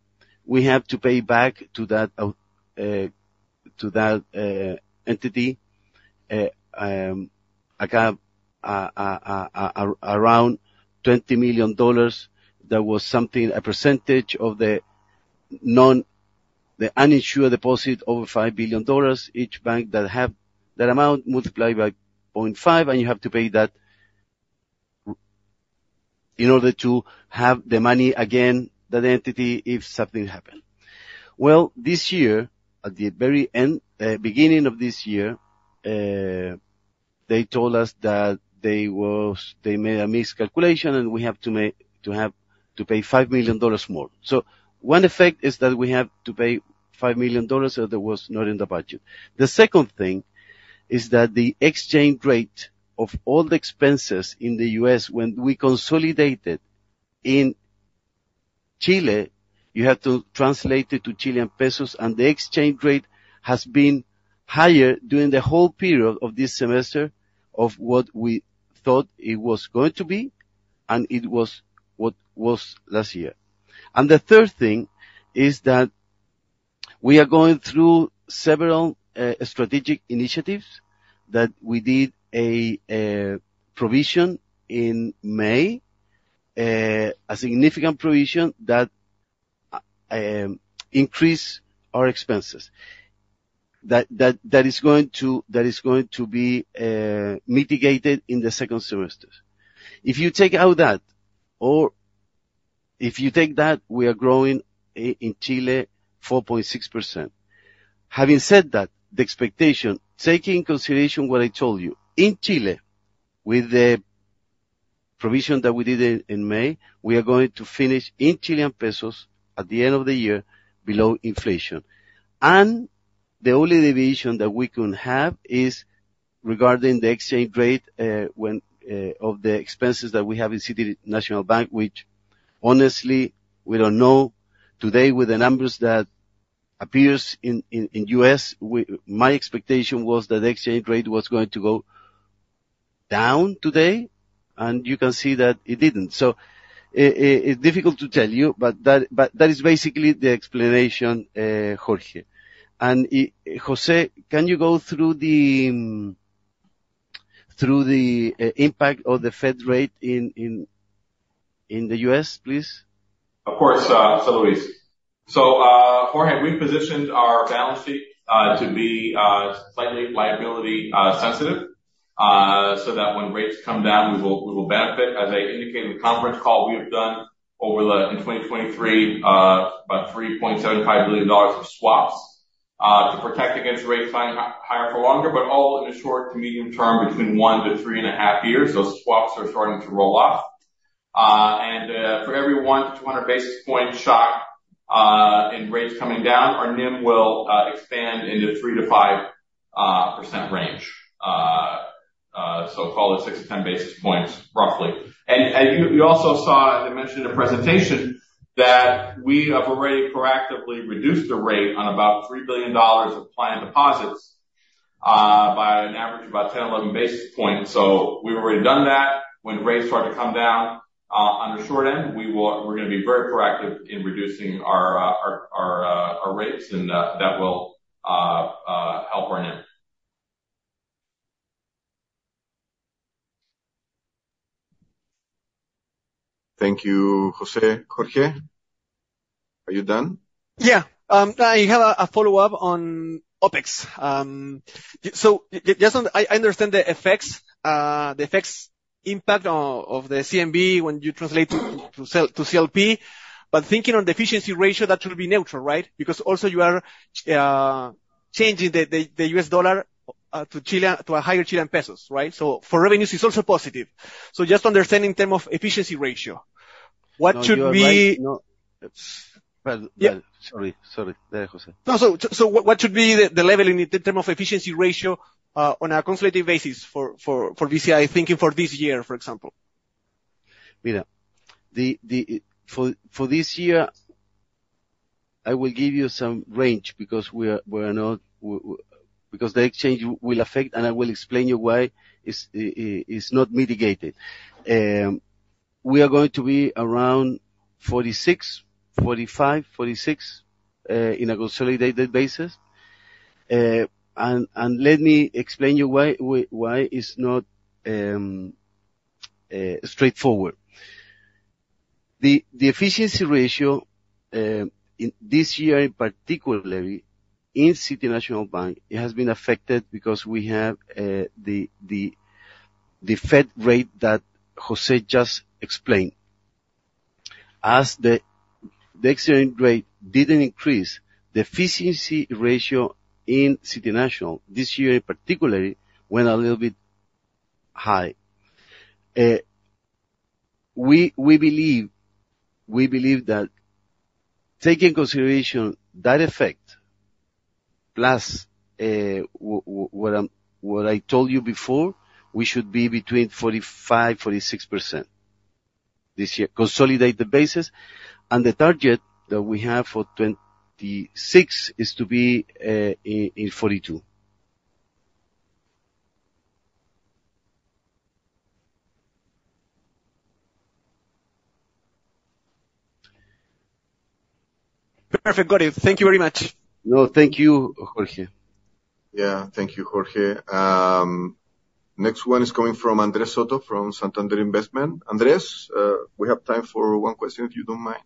we have to pay back to that entity around $20 million. That was something, a percentage of the uninsured deposit over $5 billion. Each bank that have that amount multiplied by 0.5, and you have to pay that in order to have the money again, that entity, if something happened. Well, this year, at the very end, beginning of this year, they told us that they made a miscalculation, and we have to pay $5 million more. One effect is that we have to pay $5 million that was not in the budget. The second thing is that the exchange rate of all the expenses in the U.S. when we consolidated in Chile, you have to translate it to Chilean pesos, and the exchange rate has been higher during the whole period of this semester than what we thought it was going to be, and it was what was last year. The third thing is that we are going through several strategic initiatives that we did a provision in May, a significant provision that increase our expenses. That is going to be mitigated in the second semester. If you take out that or if you take that, we are growing in Chile 4.6%. Having said that, the expectation, taking into consideration what I told you, in Chile, with the provision that we did in May, we are going to finish in Chilean pesos at the end of the year below inflation. The only deviation that we can have is regarding the exchange rate of the expenses that we have in City National Bank, which honestly, we don't know. Today, with the numbers that appear in the U.S., my expectation was that exchange rate was going to go down today, and you can see that it didn't. It's difficult to tell you, but that is basically the explanation, Jorge. José, can you go through the impact of the Fed rate in the US, please? Of course, Luis. Jorge, we positioned our balance sheet to be slightly liability sensitive so that when rates come down, we will benefit. As I indicated in the conference call, we have done, in 2023, about $3.75 billion of swaps to protect against rates staying higher for longer, but all in the short to medium term, between 1-3.5 years. Those swaps are starting to roll off. For every 100-200 basis point shock in rates coming down, our NIM will expand into 3%-5% range. Call it 6-10 basis points, roughly. You also saw, as I mentioned in the presentation, that we have already proactively reduced the rate on about $3 billion of client deposits by an average of about 10-11 basis points. We've already done that. When rates start to come down on the short end, we're gonna be very proactive in reducing our rates and that will help our NIM. Thank you, José. Jorge, are you done? Yeah. I have a follow-up on OpEx. Just on the FX impact of the CNB when you translate to CLP. Thinking on the efficiency ratio, that should be neutral, right? Because also you are changing the US dollar to a higher Chilean pesos, right? Just understanding in terms of efficiency ratio, what should be- No, you are right. Yeah. Well, sorry. Go ahead, José. No. What should be the level in terms of efficiency ratio on a consolidated basis for BCI, thinking for this year, for example? For this year, I will give you some range because we are not because the exchange will affect, and I will explain you why it's not mitigated. We are going to be around 45-46 in a consolidated basis. And let me explain you why it's not straightforward. The efficiency ratio in this year particularly in City National Bank, it has been affected because we have the Fed rate that José just explained. As the exchange rate didn't increase, the efficiency ratio in City National this year particularly went a little bit high. We believe that taking consideration that effect plus what I told you before, we should be between 45-46% this year. Consolidated basis, and the target that we have for 2026 is to be in 42. Perfect, got it. Thank you very much. No, thank you, Jorge Pérez. Yeah. Thank you, Jorge. Next one is coming from Andrés Soto from Santander. Andrés, we have time for one question, if you don't mind.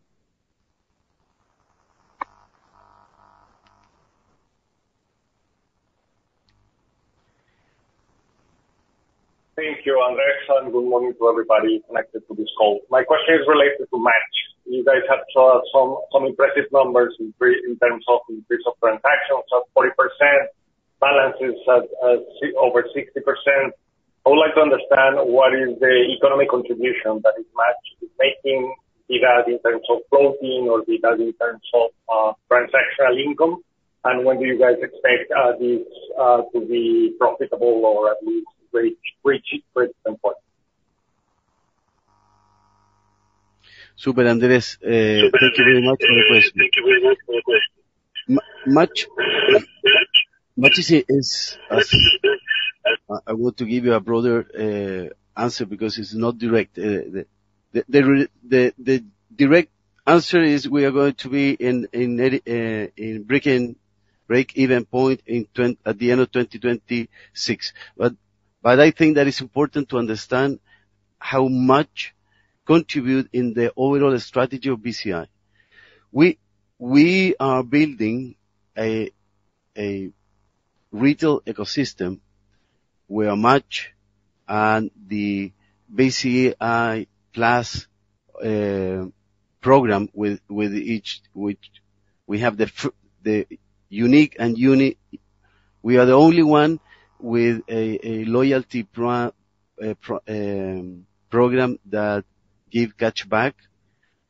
Thank you, Andrés, and good morning to everybody connected to this call. My question is related to MACH. You guys have shown some impressive numbers in terms of increase of transactions of 40%, balances at over 60%. I would like to understand what is the economic contribution that MACH is making, be that in terms of profit or be that in terms of transactional income, and when do you guys expect this to be profitable or at least reach break-even point? Sure, Andrés. Thank you very much for the question. MACH is. I want to give you a broader answer because it's not direct. The direct answer is we are going to be in break-even point at the end of 2026. I think that it's important to understand how much contribute in the overall strategy of BCI. We are building a retail ecosystem where MACH and the BCI Plus program with MACH. We are the only one with a loyalty program that give cashback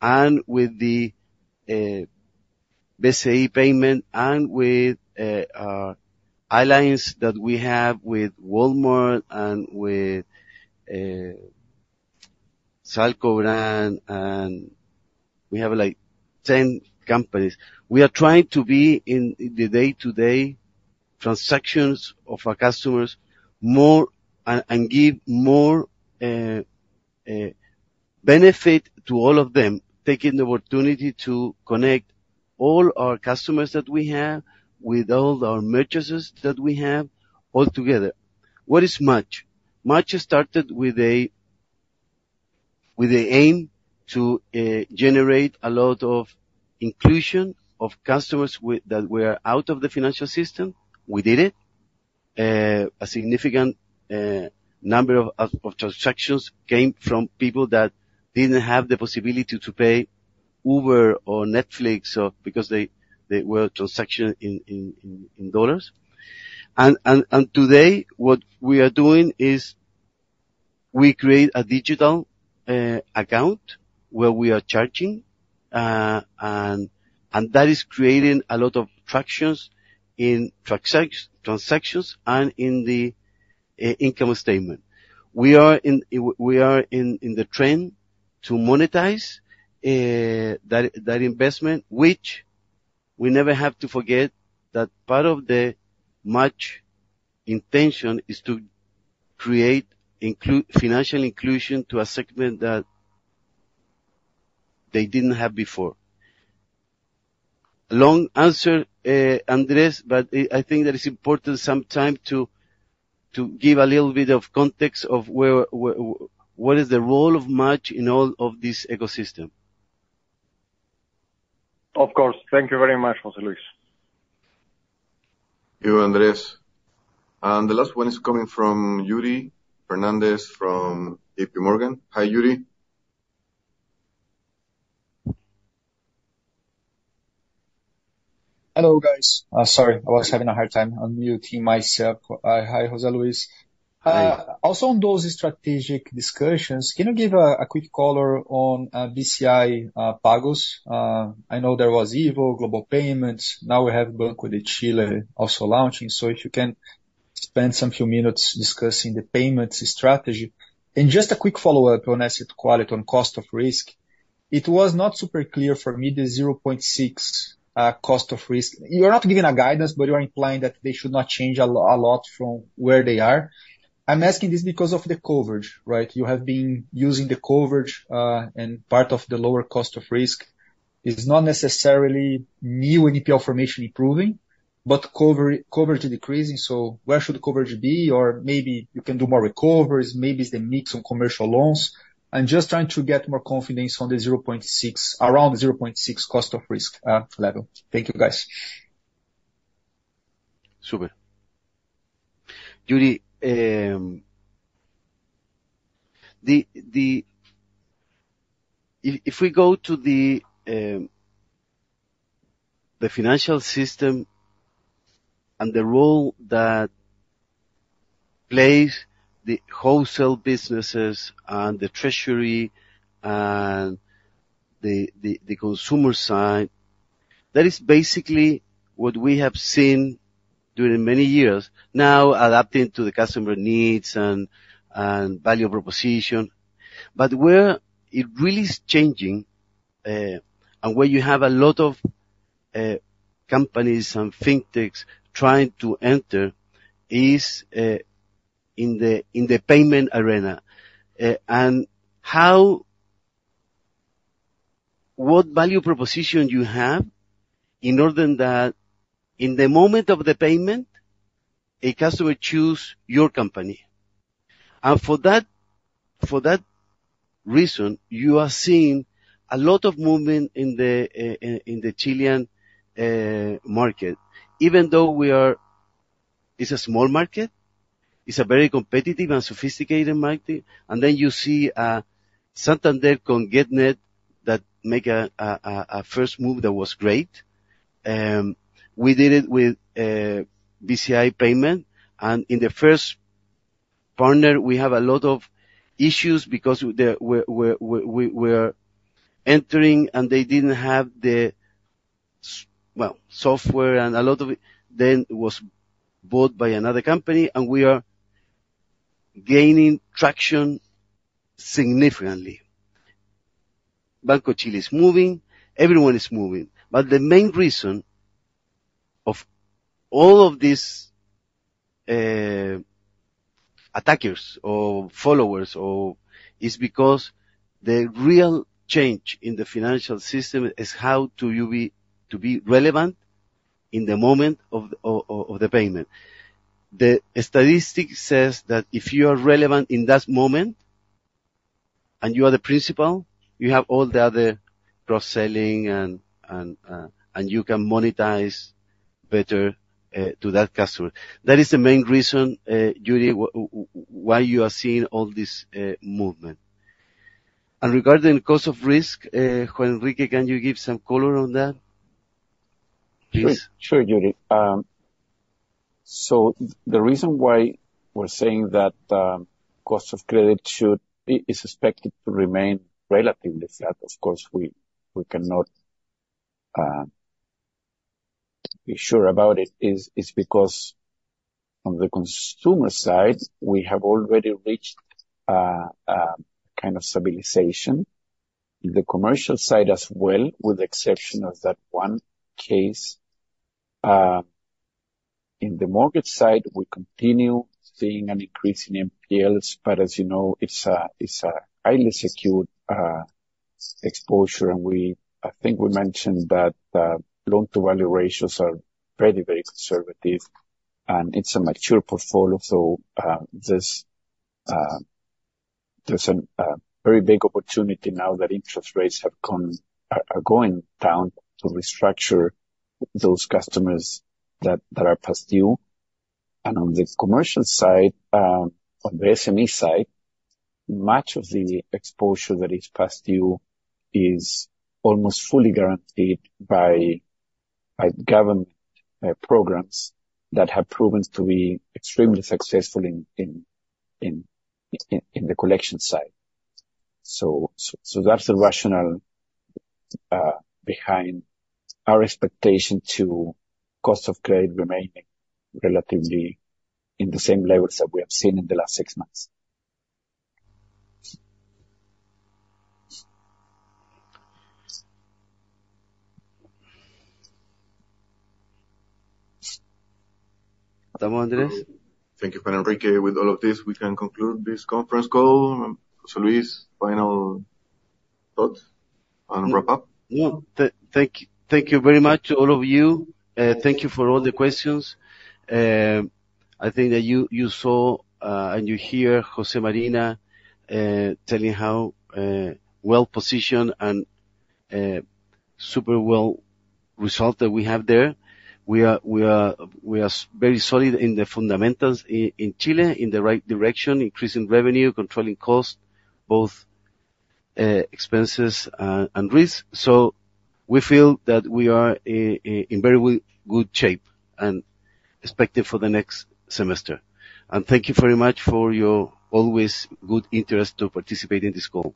and with the BCI Pagos and with our alliance that we have with Walmart and with Salcobrand, and we have, like, 10 companies. We are trying to be in the day-to-day transactions of our customers more and give more benefit to all of them, taking the opportunity to connect all our customers that we have with all our merchants that we have all together. What is MACH? MACH started with an aim to generate a lot of inclusion of customers that were out of the financial system. We did it. A significant number of transactions came from people that didn't have the possibility to pay Uber or Netflix or because they were transacting in dollars. Today, what we are doing is we create a digital account where we are charging and that is creating a lot of frictions in transactions and in the income statement. We are in the trend to monetize that investment, which we never have to forget that part of the MACH intention is to create financial inclusion to a segment that they didn't have before. Long answer, Andrés, but I think that it's important sometimes to give a little bit of context of what is the role of MACH in all of this ecosystem. Of course. Thank you very much, José Luis. Thank you, Andres. The last one is coming from Yuri Fernandes from J.P. Morgan. Hi, Yuri. Hello, guys. Sorry, I was having a hard time unmuting myself. Hi, José Luis. Hi. Also on those strategic discussions, can you give a quick color on BCI Pagos? I know there was EVO, Global Payments. Now we have Banco de Chile also launching. If you can spend some few minutes discussing the payments strategy. Just a quick follow-up on asset quality, on cost of risk, it was not super clear for me, the 0.6% cost of risk. You're not giving a guidance, but you are implying that they should not change a lot from where they are. I'm asking this because of the coverage, right? You have been using the coverage, and part of the lower cost of risk is not necessarily new NPL formation improving, but coverage decreasing. Where should the coverage be? Or maybe you can do more recoveries, maybe it's the mix on commercial loans. I'm just trying to get more confidence on the 0.6% around 0.6% cost of risk level. Thank you, guys. Super. Yuri, if we go to the financial system and the role that plays the wholesale businesses and the treasury and the consumer side, that is basically what we have seen during many years now adapting to the customer needs and value proposition. Where it really is changing and where you have a lot of companies and fintechs trying to enter is in the payment arena. What value proposition you have in order that in the moment of the payment, a customer choose your company. For that reason, you are seeing a lot of movement in the Chilean market. It's a small market, it's a very competitive and sophisticated market. You see, Santander's Getnet that made a first move that was great. We did it with BCI Pagos, and in the first partner we have a lot of issues because we're entering, and they didn't have the software and a lot of it then was bought by another company, and we are gaining traction significantly. Banco de Chile is moving, everyone is moving. The main reason of all of these attackers or followers is because the real change in the financial system is how to be relevant in the moment of the payment. The statistic says that if you are relevant in that moment, and you are the principal, you have all the other cross-selling and you can monetize better to that customer. That is the main reason, Yuri Fernandes, why you are seeing all this movement. Regarding cost of risk, Juan Enrique, can you give some color on that, please? Sure, Yuri Fernandes. The reason why we're saying that cost of credit is expected to remain relatively flat, of course we cannot be sure about it, is because on the consumer side, we have already reached kind of stabilization. In the commercial side as well, with the exception of that one case. In the mortgage side, we continue seeing an increase in NPLs, but as you know, it's a highly secured exposure. I think we mentioned that loan to value ratios are very, very conservative, and it's a mature portfolio. There's a very big opportunity now that interest rates are going down to restructure those customers that are past due. On the commercial side, on the SME side, much of the exposure that is past due is almost fully guaranteed by government programs that have proven to be extremely successful in the collection side. So that's the rationale behind our expectation to cost of credit remaining relatively in the same levels that we have seen in the last six months. Andrés? Thank you, Juan Enrique Pino. With all of this, we can conclude this conference call. José Luis Ibaibarriaga, final thoughts and wrap up. Yeah. Thank you very much to all of you. Thank you for all the questions. I think that you saw and you hear José Marina telling how well-positioned and superb result that we have there. We are very solid in the fundamentals in Chile, in the right direction, increasing revenue, controlling costs, both expenses and risk. We feel that we are in very good shape and we expect for the next semester. Thank you very much for your always good interest to participate in this call.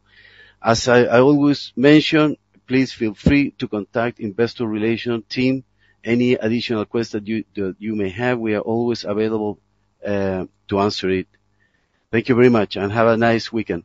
As I always mention, please feel free to contact Investor Relations team any additional requests that you may have. We are always available to answer it. Thank you very much, and have a nice weekend.